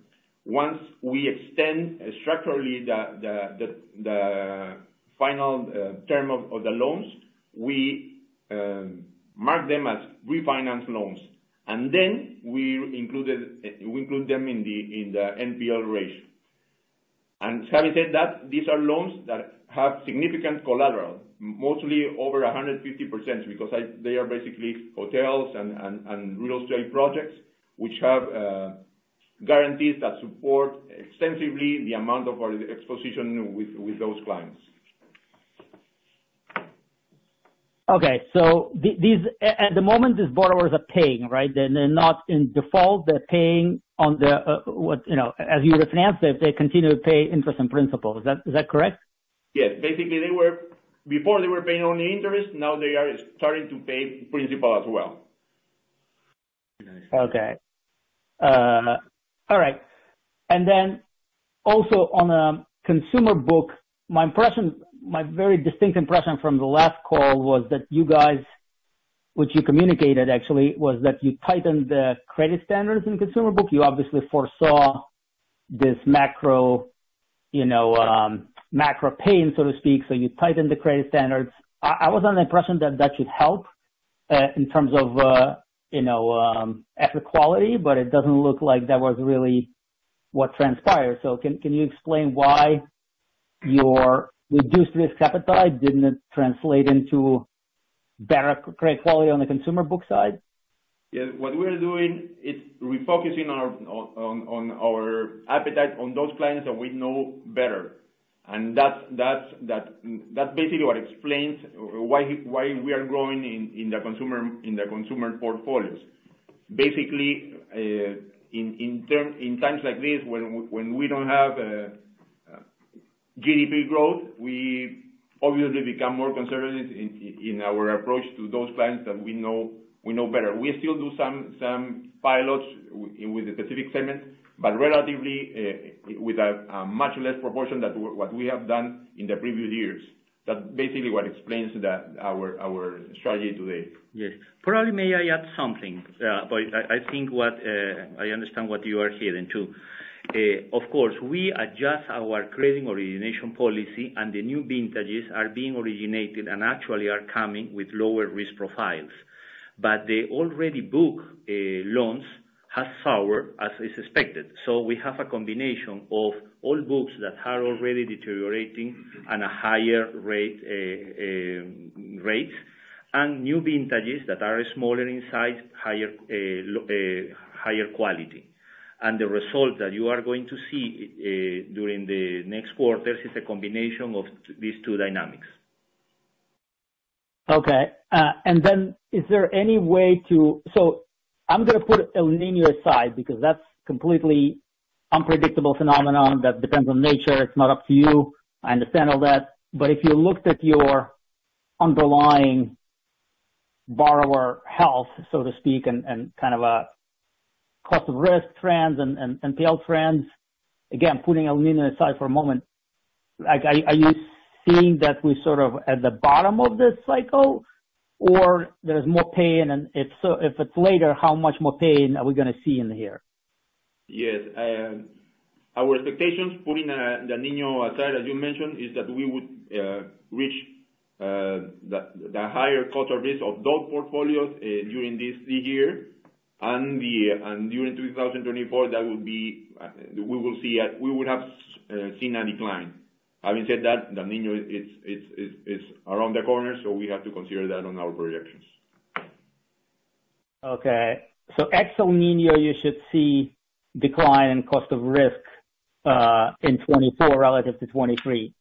Once we extend structurally the final term of the loans, we mark them as refinance loans, and then we included, we include them in the NPL ratio. And having said that, these are loans that have significant collateral, mostly over 150%, because they are basically hotels and real estate projects, which have guarantees that support extensively the amount of our exposure with those clients. Okay. So these, at the moment, these borrowers are paying, right? They're not in default, they're paying on the, what, you know, as you refinance them, they continue to pay interest and principal. Is that correct? Yes. Basically, before they were paying only interest, now they are starting to pay principal as well. Okay. All right. And then also on consumer book, my impression, my very distinct impression from the last call was that you guys, which you communicated actually, was that you tightened the credit standards in consumer book. You obviously foresaw this macro, you know, macro pain, so to speak, so you tightened the credit standards. I was under the impression that that should help in terms of, you know, asset quality, but it doesn't look like that was really what transpired. So can you explain why your reduced risk appetite didn't translate into better credit quality on the consumer book side? Yeah. What we are doing is refocusing our appetite on those clients that we know better. That's basically what explains why we are growing in the consumer portfolios. Basically, in times like this, when we don't have GDP growth, we obviously become more conservative in our approach to those clients that we know better. We still do some pilots with a specific segment, but relatively, with a much less proportion than what we have done in the previous years. That's basically what explains our strategy today. Yes. Probably, may I add something? But I think I understand what you are hearing too. Of course, we adjust our credit origination policy, and the new vintages are being originated and actually are coming with lower risk profiles. But the already booked loans have soured as is expected. So we have a combination of old books that are already deteriorating at a higher rate, and new vintages that are smaller in size, higher quality. And the result that you are going to see during the next quarters is a combination of these two dynamics. Okay. And then is there any way to... So I'm gonna put El Niño aside, because that's completely unpredictable phenomenon that depends on nature, it's not up to you. I understand all that. But if you looked at your underlying borrower health, so to speak, and kind of a Cost of Risk trends and NPL trends, again, putting El Niño aside for a moment, like, are you seeing that we're sort of at the bottom of this cycle, or there's more pain, and if so, if it's later, how much more pain are we gonna see in here? Yes. Our expectations, putting the El Niño aside, as you mentioned, is that we would reach the higher cost of risk of those portfolios during this year. And during 2024, that would be we will see we would have seen a decline. Having said that, the El Niño it's around the corner, so we have to consider that on our projections. Okay. So ex-El Niño, you should see decline in cost of risk in 2024 relative to 2023?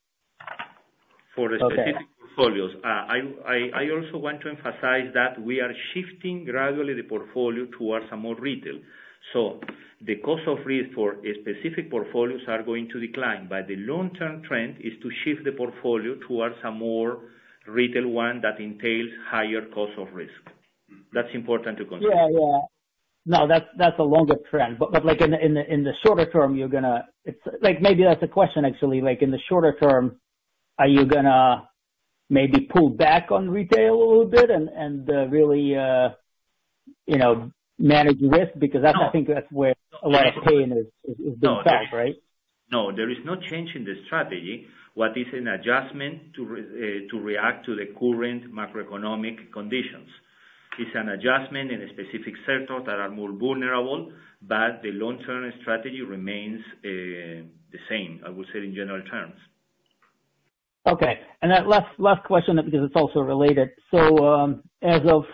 For the- Okay... specific portfolios. I also want to emphasize that we are shifting gradually the portfolio towards a more retail. So the cost of risk for a specific portfolios are going to decline, but the long-term trend is to shift the portfolio towards a more retail one that entails higher cost of risk. That's important to consider. Yeah, yeah. No, that's a longer trend. But like in the shorter term, you're gonna... It's like maybe that's a question actually, like in the shorter term, are you gonna maybe pull back on retail a little bit and really you know manage risk? No. Because that's, I think that's where a lot of pain is being felt, right? No, there is no change in the strategy. What is an adjustment to react to the current macroeconomic conditions. It's an adjustment in a specific sectors that are more vulnerable, but the long-term strategy remains the same, I would say, in general terms. Okay. Last, last question, because it's also related. So, as of,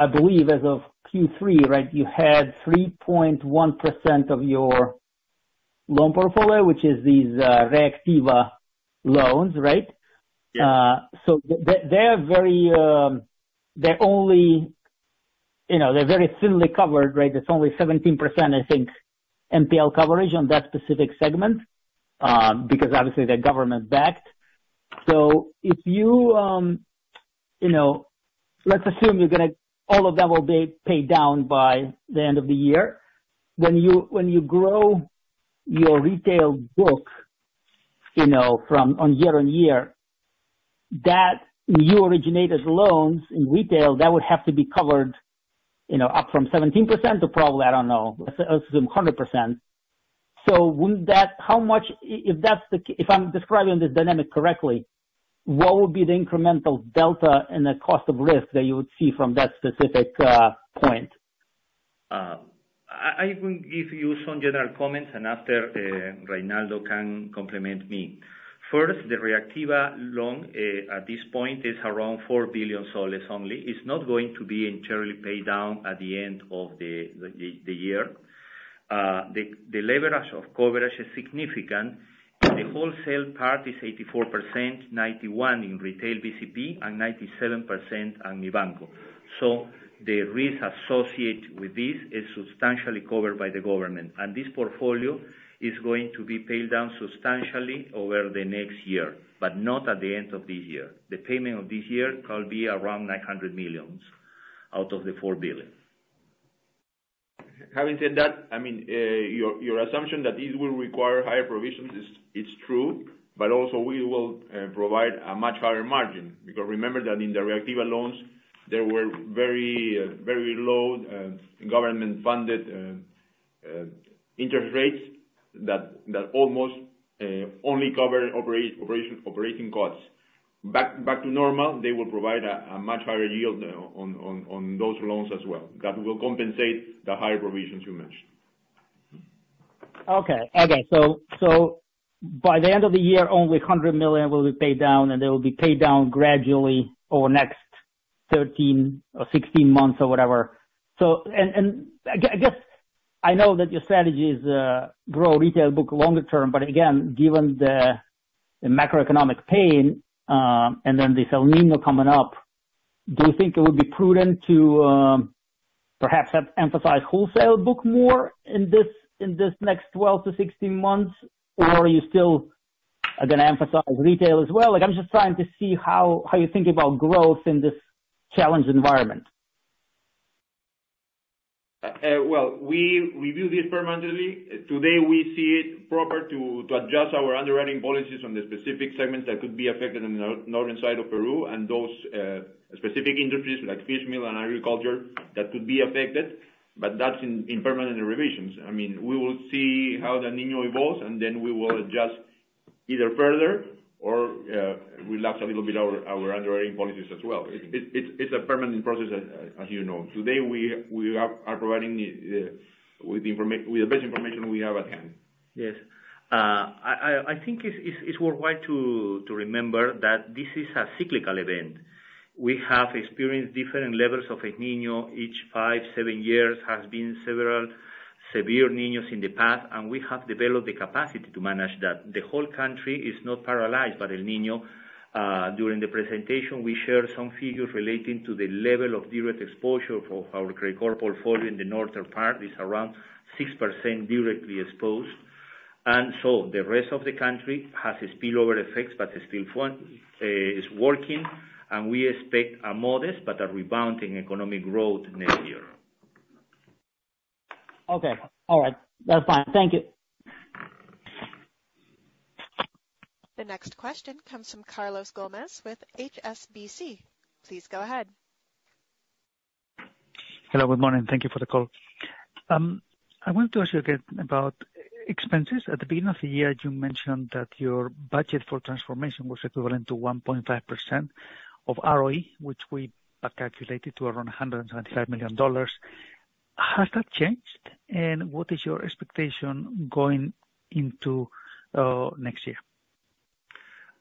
I believe, as of Q3, right? You had 3.1% of your loan portfolio, which is these Reactiva loans, right? Yeah. They're very thinly covered, right? There's only 17%, I think, NPL coverage on that specific segment, because obviously they're government-backed. So if you, you know, let's assume you're gonna all of that will be paid down by the end of the year. When you, when you grow your retail book, you know, from, on year-over-year, that new originated loans in retail, that would have to be covered, you know, up from 17% to probably, I don't know, let's, let's assume 100%. So would that, how much, if that's the case, if I'm describing this dynamic correctly, what would be the incremental delta in the cost of risk that you would see from that specific point? I will give you some general comments, and after, Reynaldo can complement me. First, the Reactiva loan, at this point, is around PEN 4 billion only. It's not going to be entirely paid down at the end of the year. The leverage of coverage is significant. The wholesale part is 84%, 91% in retail BCP, and 97% in Mibanco. So the risk associated with this is substantially covered by the government, and this portfolio is going to be paid down substantially over the next year, but not at the end of this year. The payment of this year will be around PEN 900 million, out of the PEN 4 billion. Having said that, I mean, your assumption that this will require higher provisions is true, but also we will provide a much higher margin. Because remember that in the Reactiva loans, there were very very low government-funded interest rates that almost only covered operating costs. Back to normal, they will provide a much higher yield on those loans as well, that will compensate the high provisions you mentioned. Okay. So by the end of the year, only PEN 100 million will be paid down, and they will be paid down gradually over the next 13 or 16 months or whatever. So, and I guess I know that your strategy is grow retail book longer term, but again, given the macroeconomic pain, and then this El Niño coming up, do you think it would be prudent to perhaps emphasize wholesale book more in this next 12-16 months? Or are you still gonna emphasize retail as well? Like, I'm just trying to see how you think about growth in this challenged environment. Well, we review this permanently. Today, we see it proper to adjust our underwriting policies on the specific segments that could be affected in the northern side of Peru and those specific industries like fish meal and agriculture that could be affected, but that's in permanent revisions. I mean, we will see how the Niño evolves, and then we will adjust either further or relax a little bit our underwriting policies as well. It's a permanent process as you know. Today, we are providing with the best information we have at hand. Yes. I think it's worthwhile to remember that this is a cyclical event. We have experienced different levels of El Niño each 5, 7 years. There has been several severe Niños in the past, and we have developed the capacity to manage that. The whole country is not paralyzed by El Niño. During the presentation, we shared some figures relating to the level of direct exposure for our credit card portfolio in the northern part, is around 6% directly exposed. And so the rest of the country has a spillover effect, but it's still working, and we expect a modest but a rebounding economic growth next year. Okay. All right. That's fine. Thank you. The next question comes from Carlos Gomez with HSBC. Please go ahead. Hello, good morning. Thank you for the call. I want to ask you again about expenses. At the beginning of the year, you mentioned that your budget for transformation was equivalent to 1.5% of ROE, which we have calculated to around $175 million. Has that changed? And what is your expectation going into next year?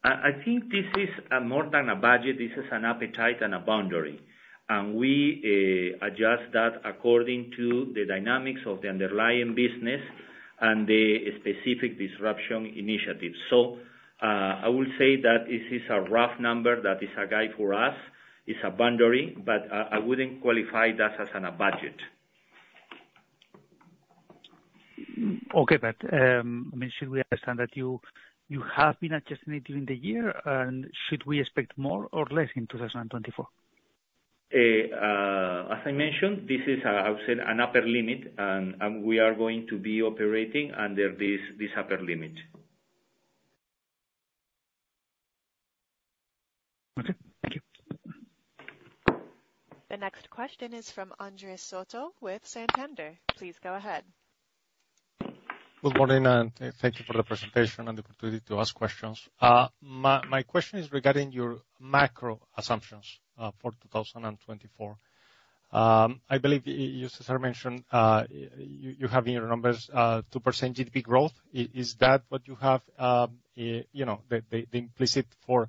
I think this is more than a budget. This is an appetite and a boundary, and we adjust that according to the dynamics of the underlying business and the specific disruption initiatives. So, I would say that this is a rough number that is a guide for us. It's a boundary, but I wouldn't qualify that as a budget. Okay, but, I mean, should we understand that you have been adjusting it during the year, and should we expect more or less in 2024? As I mentioned, this is, I would say, an upper limit, and we are going to be operating under this upper limit. Okay. Thank you. The next question is from Andres Soto with Santander. Please go ahead. Good morning, and thank you for the presentation and the opportunity to ask questions. My question is regarding your macro assumptions for 2024. I believe you, Cesar, mentioned you have in your numbers 2% GDP growth. Is that what you have, you know, the implicit for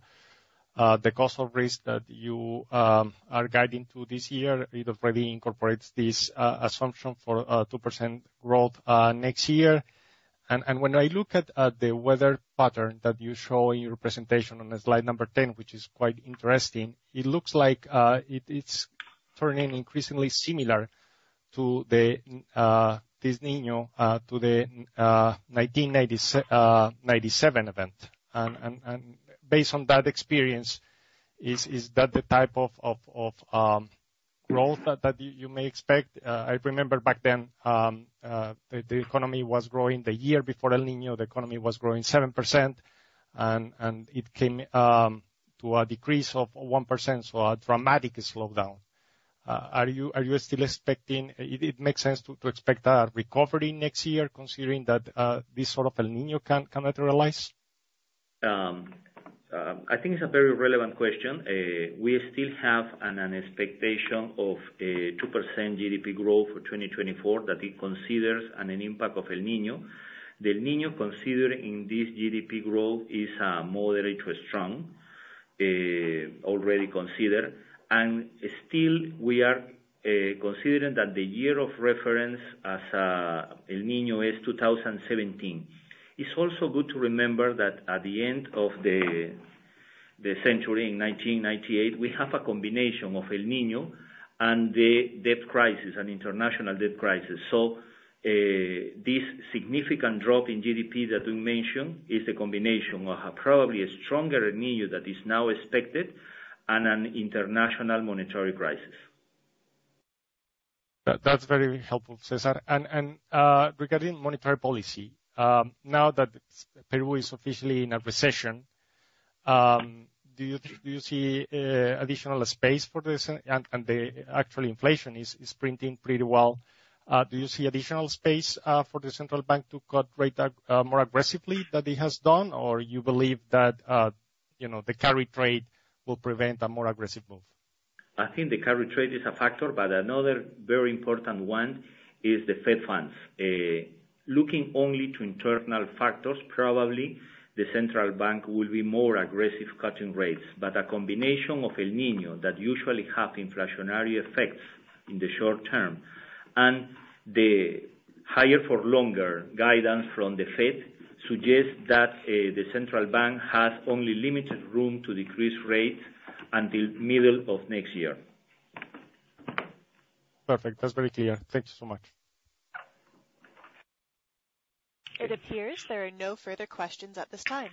the cost of risk that you are guiding to this year? It already incorporates this assumption for 2% growth next year? And when I look at the weather pattern that you show in your presentation on slide 10, which is quite interesting, it looks like it's turning increasingly similar to the El Niño to the 1997 event. Based on that experience, is that the type of growth that you may expect? I remember back then, the economy was growing, the year before El Niño, the economy was growing 7%, and it came to a decrease of 1%, so a dramatic slowdown. Are you still expecting, it makes sense to expect a recovery next year, considering that this sort of El Niño can materialize? I think it's a very relevant question. We still have an expectation of a 2% GDP growth for 2024, that it considers an impact of El Niño. The El Niño considered in this GDP growth is moderate to strong, already considered, and still we are considering that the year of reference as El Niño is 2017. It's also good to remember that at the end of the century, in 1998, we have a combination of El Niño and the debt crisis, an international debt crisis. So, this significant drop in GDP that you mentioned is a combination of probably a stronger El Niño that is now expected, and an international monetary crisis. That, that's very helpful, Cesar. And regarding monetary policy, now that Peru is officially in a recession, do you do you see additional space for this? And the actual inflation is printing pretty well. Do you see additional space for the central bank to cut rate more aggressively than it has done? Or you believe that, you know, the carry trade will prevent a more aggressive move? I think the carry trade is a factor, but another very important one is the Fed funds. Looking only to internal factors, probably the central bank will be more aggressive cutting rates. But a combination of El Niño, that usually have inflationary effects in the short term, and the higher for longer guidance from the Fed, suggests that the central bank has only limited room to decrease rates until middle of next year. Perfect. That's very clear. Thank you so much. It appears there are no further questions at this time.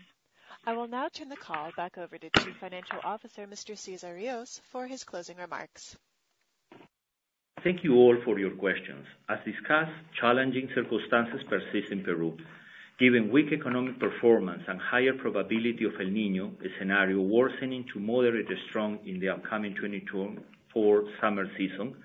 I will now turn the call back over to Chief Financial Officer, Mr. Cesar Ríos, for his closing remarks. Thank you all for your questions. As discussed, challenging circumstances persist in Peru. Given weak economic performance and higher probability of El Niño, the scenario worsening to moderate is strong in the upcoming 2024 summer season.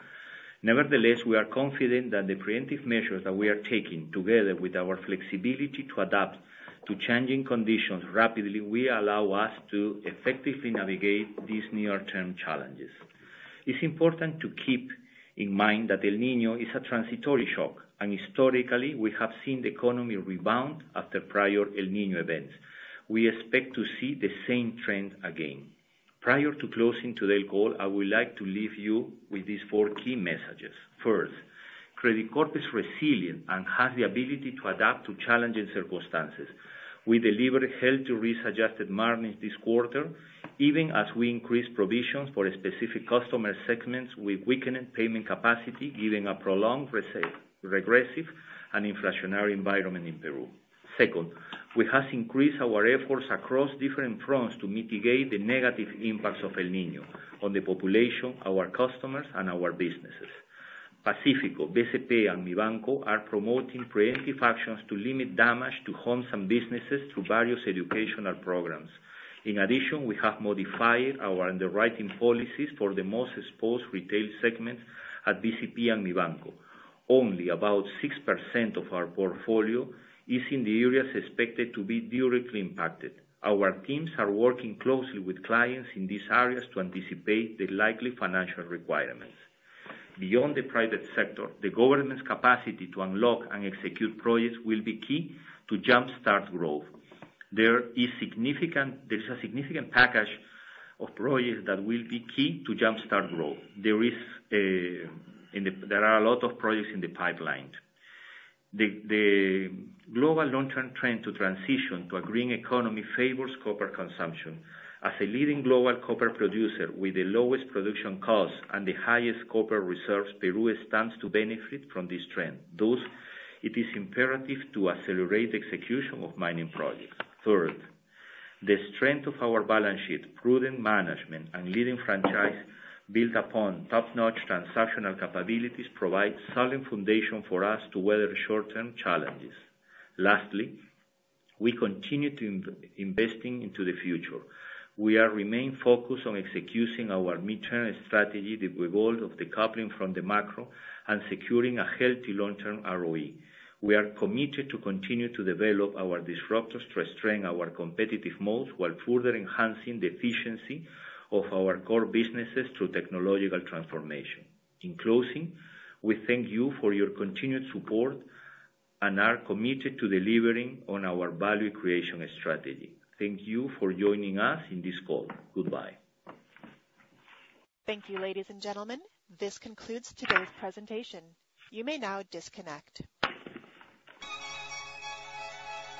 Nevertheless, we are confident that the preemptive measures that we are taking, together with our flexibility to adapt to changing conditions rapidly, will allow us to effectively navigate these near-term challenges. It's important to keep in mind that El Niño is a transitory shock, and historically, we have seen the economy rebound after prior El Niño events. We expect to see the same trend again. Prior to closing today's call, I would like to leave you with these four key messages: First, Credicorp is resilient and has the ability to adapt to challenging circumstances. We delivered healthy risk-adjusted margins this quarter, even as we increased provisions for specific customer segments with weakened payment capacity, given a prolonged regressive and inflationary environment in Peru. Second, we have increased our efforts across different fronts to mitigate the negative impacts of El Niño on the population, our customers, and our businesses. Pacífico, BCP, and Mibanco are promoting preemptive actions to limit damage to homes and businesses through various educational programs. In addition, we have modified our underwriting policies for the most exposed retail segments at BCP and Mibanco. Only about 6% of our portfolio is in the areas expected to be directly impacted. Our teams are working closely with clients in these areas to anticipate the likely financial requirements. Beyond the private sector, the government's capacity to unlock and execute projects will be key to jumpstart growth. There's a significant package of projects that will be key to jumpstart growth. There are a lot of projects in the pipeline. The global long-term trend to transition to a green economy favors copper consumption. As a leading global copper producer with the lowest production costs and the highest copper reserves, Peru stands to benefit from this trend. Thus, it is imperative to accelerate execution of mining projects. Third, the strength of our balance sheet, prudent management, and leading franchise, built upon top-notch transactional capabilities, provides solid foundation for us to weather short-term challenges. Lastly, we continue to investing into the future. We are remain focused on executing our mid-term strategy, the goal of decoupling from the macro, and securing a healthy long-term ROE. We are committed to continue to develop our disruptors to strengthen our competitive moats, while further enhancing the efficiency of our core businesses through technological transformation. In closing, we thank you for your continued support, and are committed to delivering on our value creation strategy. Thank you for joining us in this call. Goodbye. Thank you, ladies and gentlemen. This concludes today's presentation. You may now disconnect.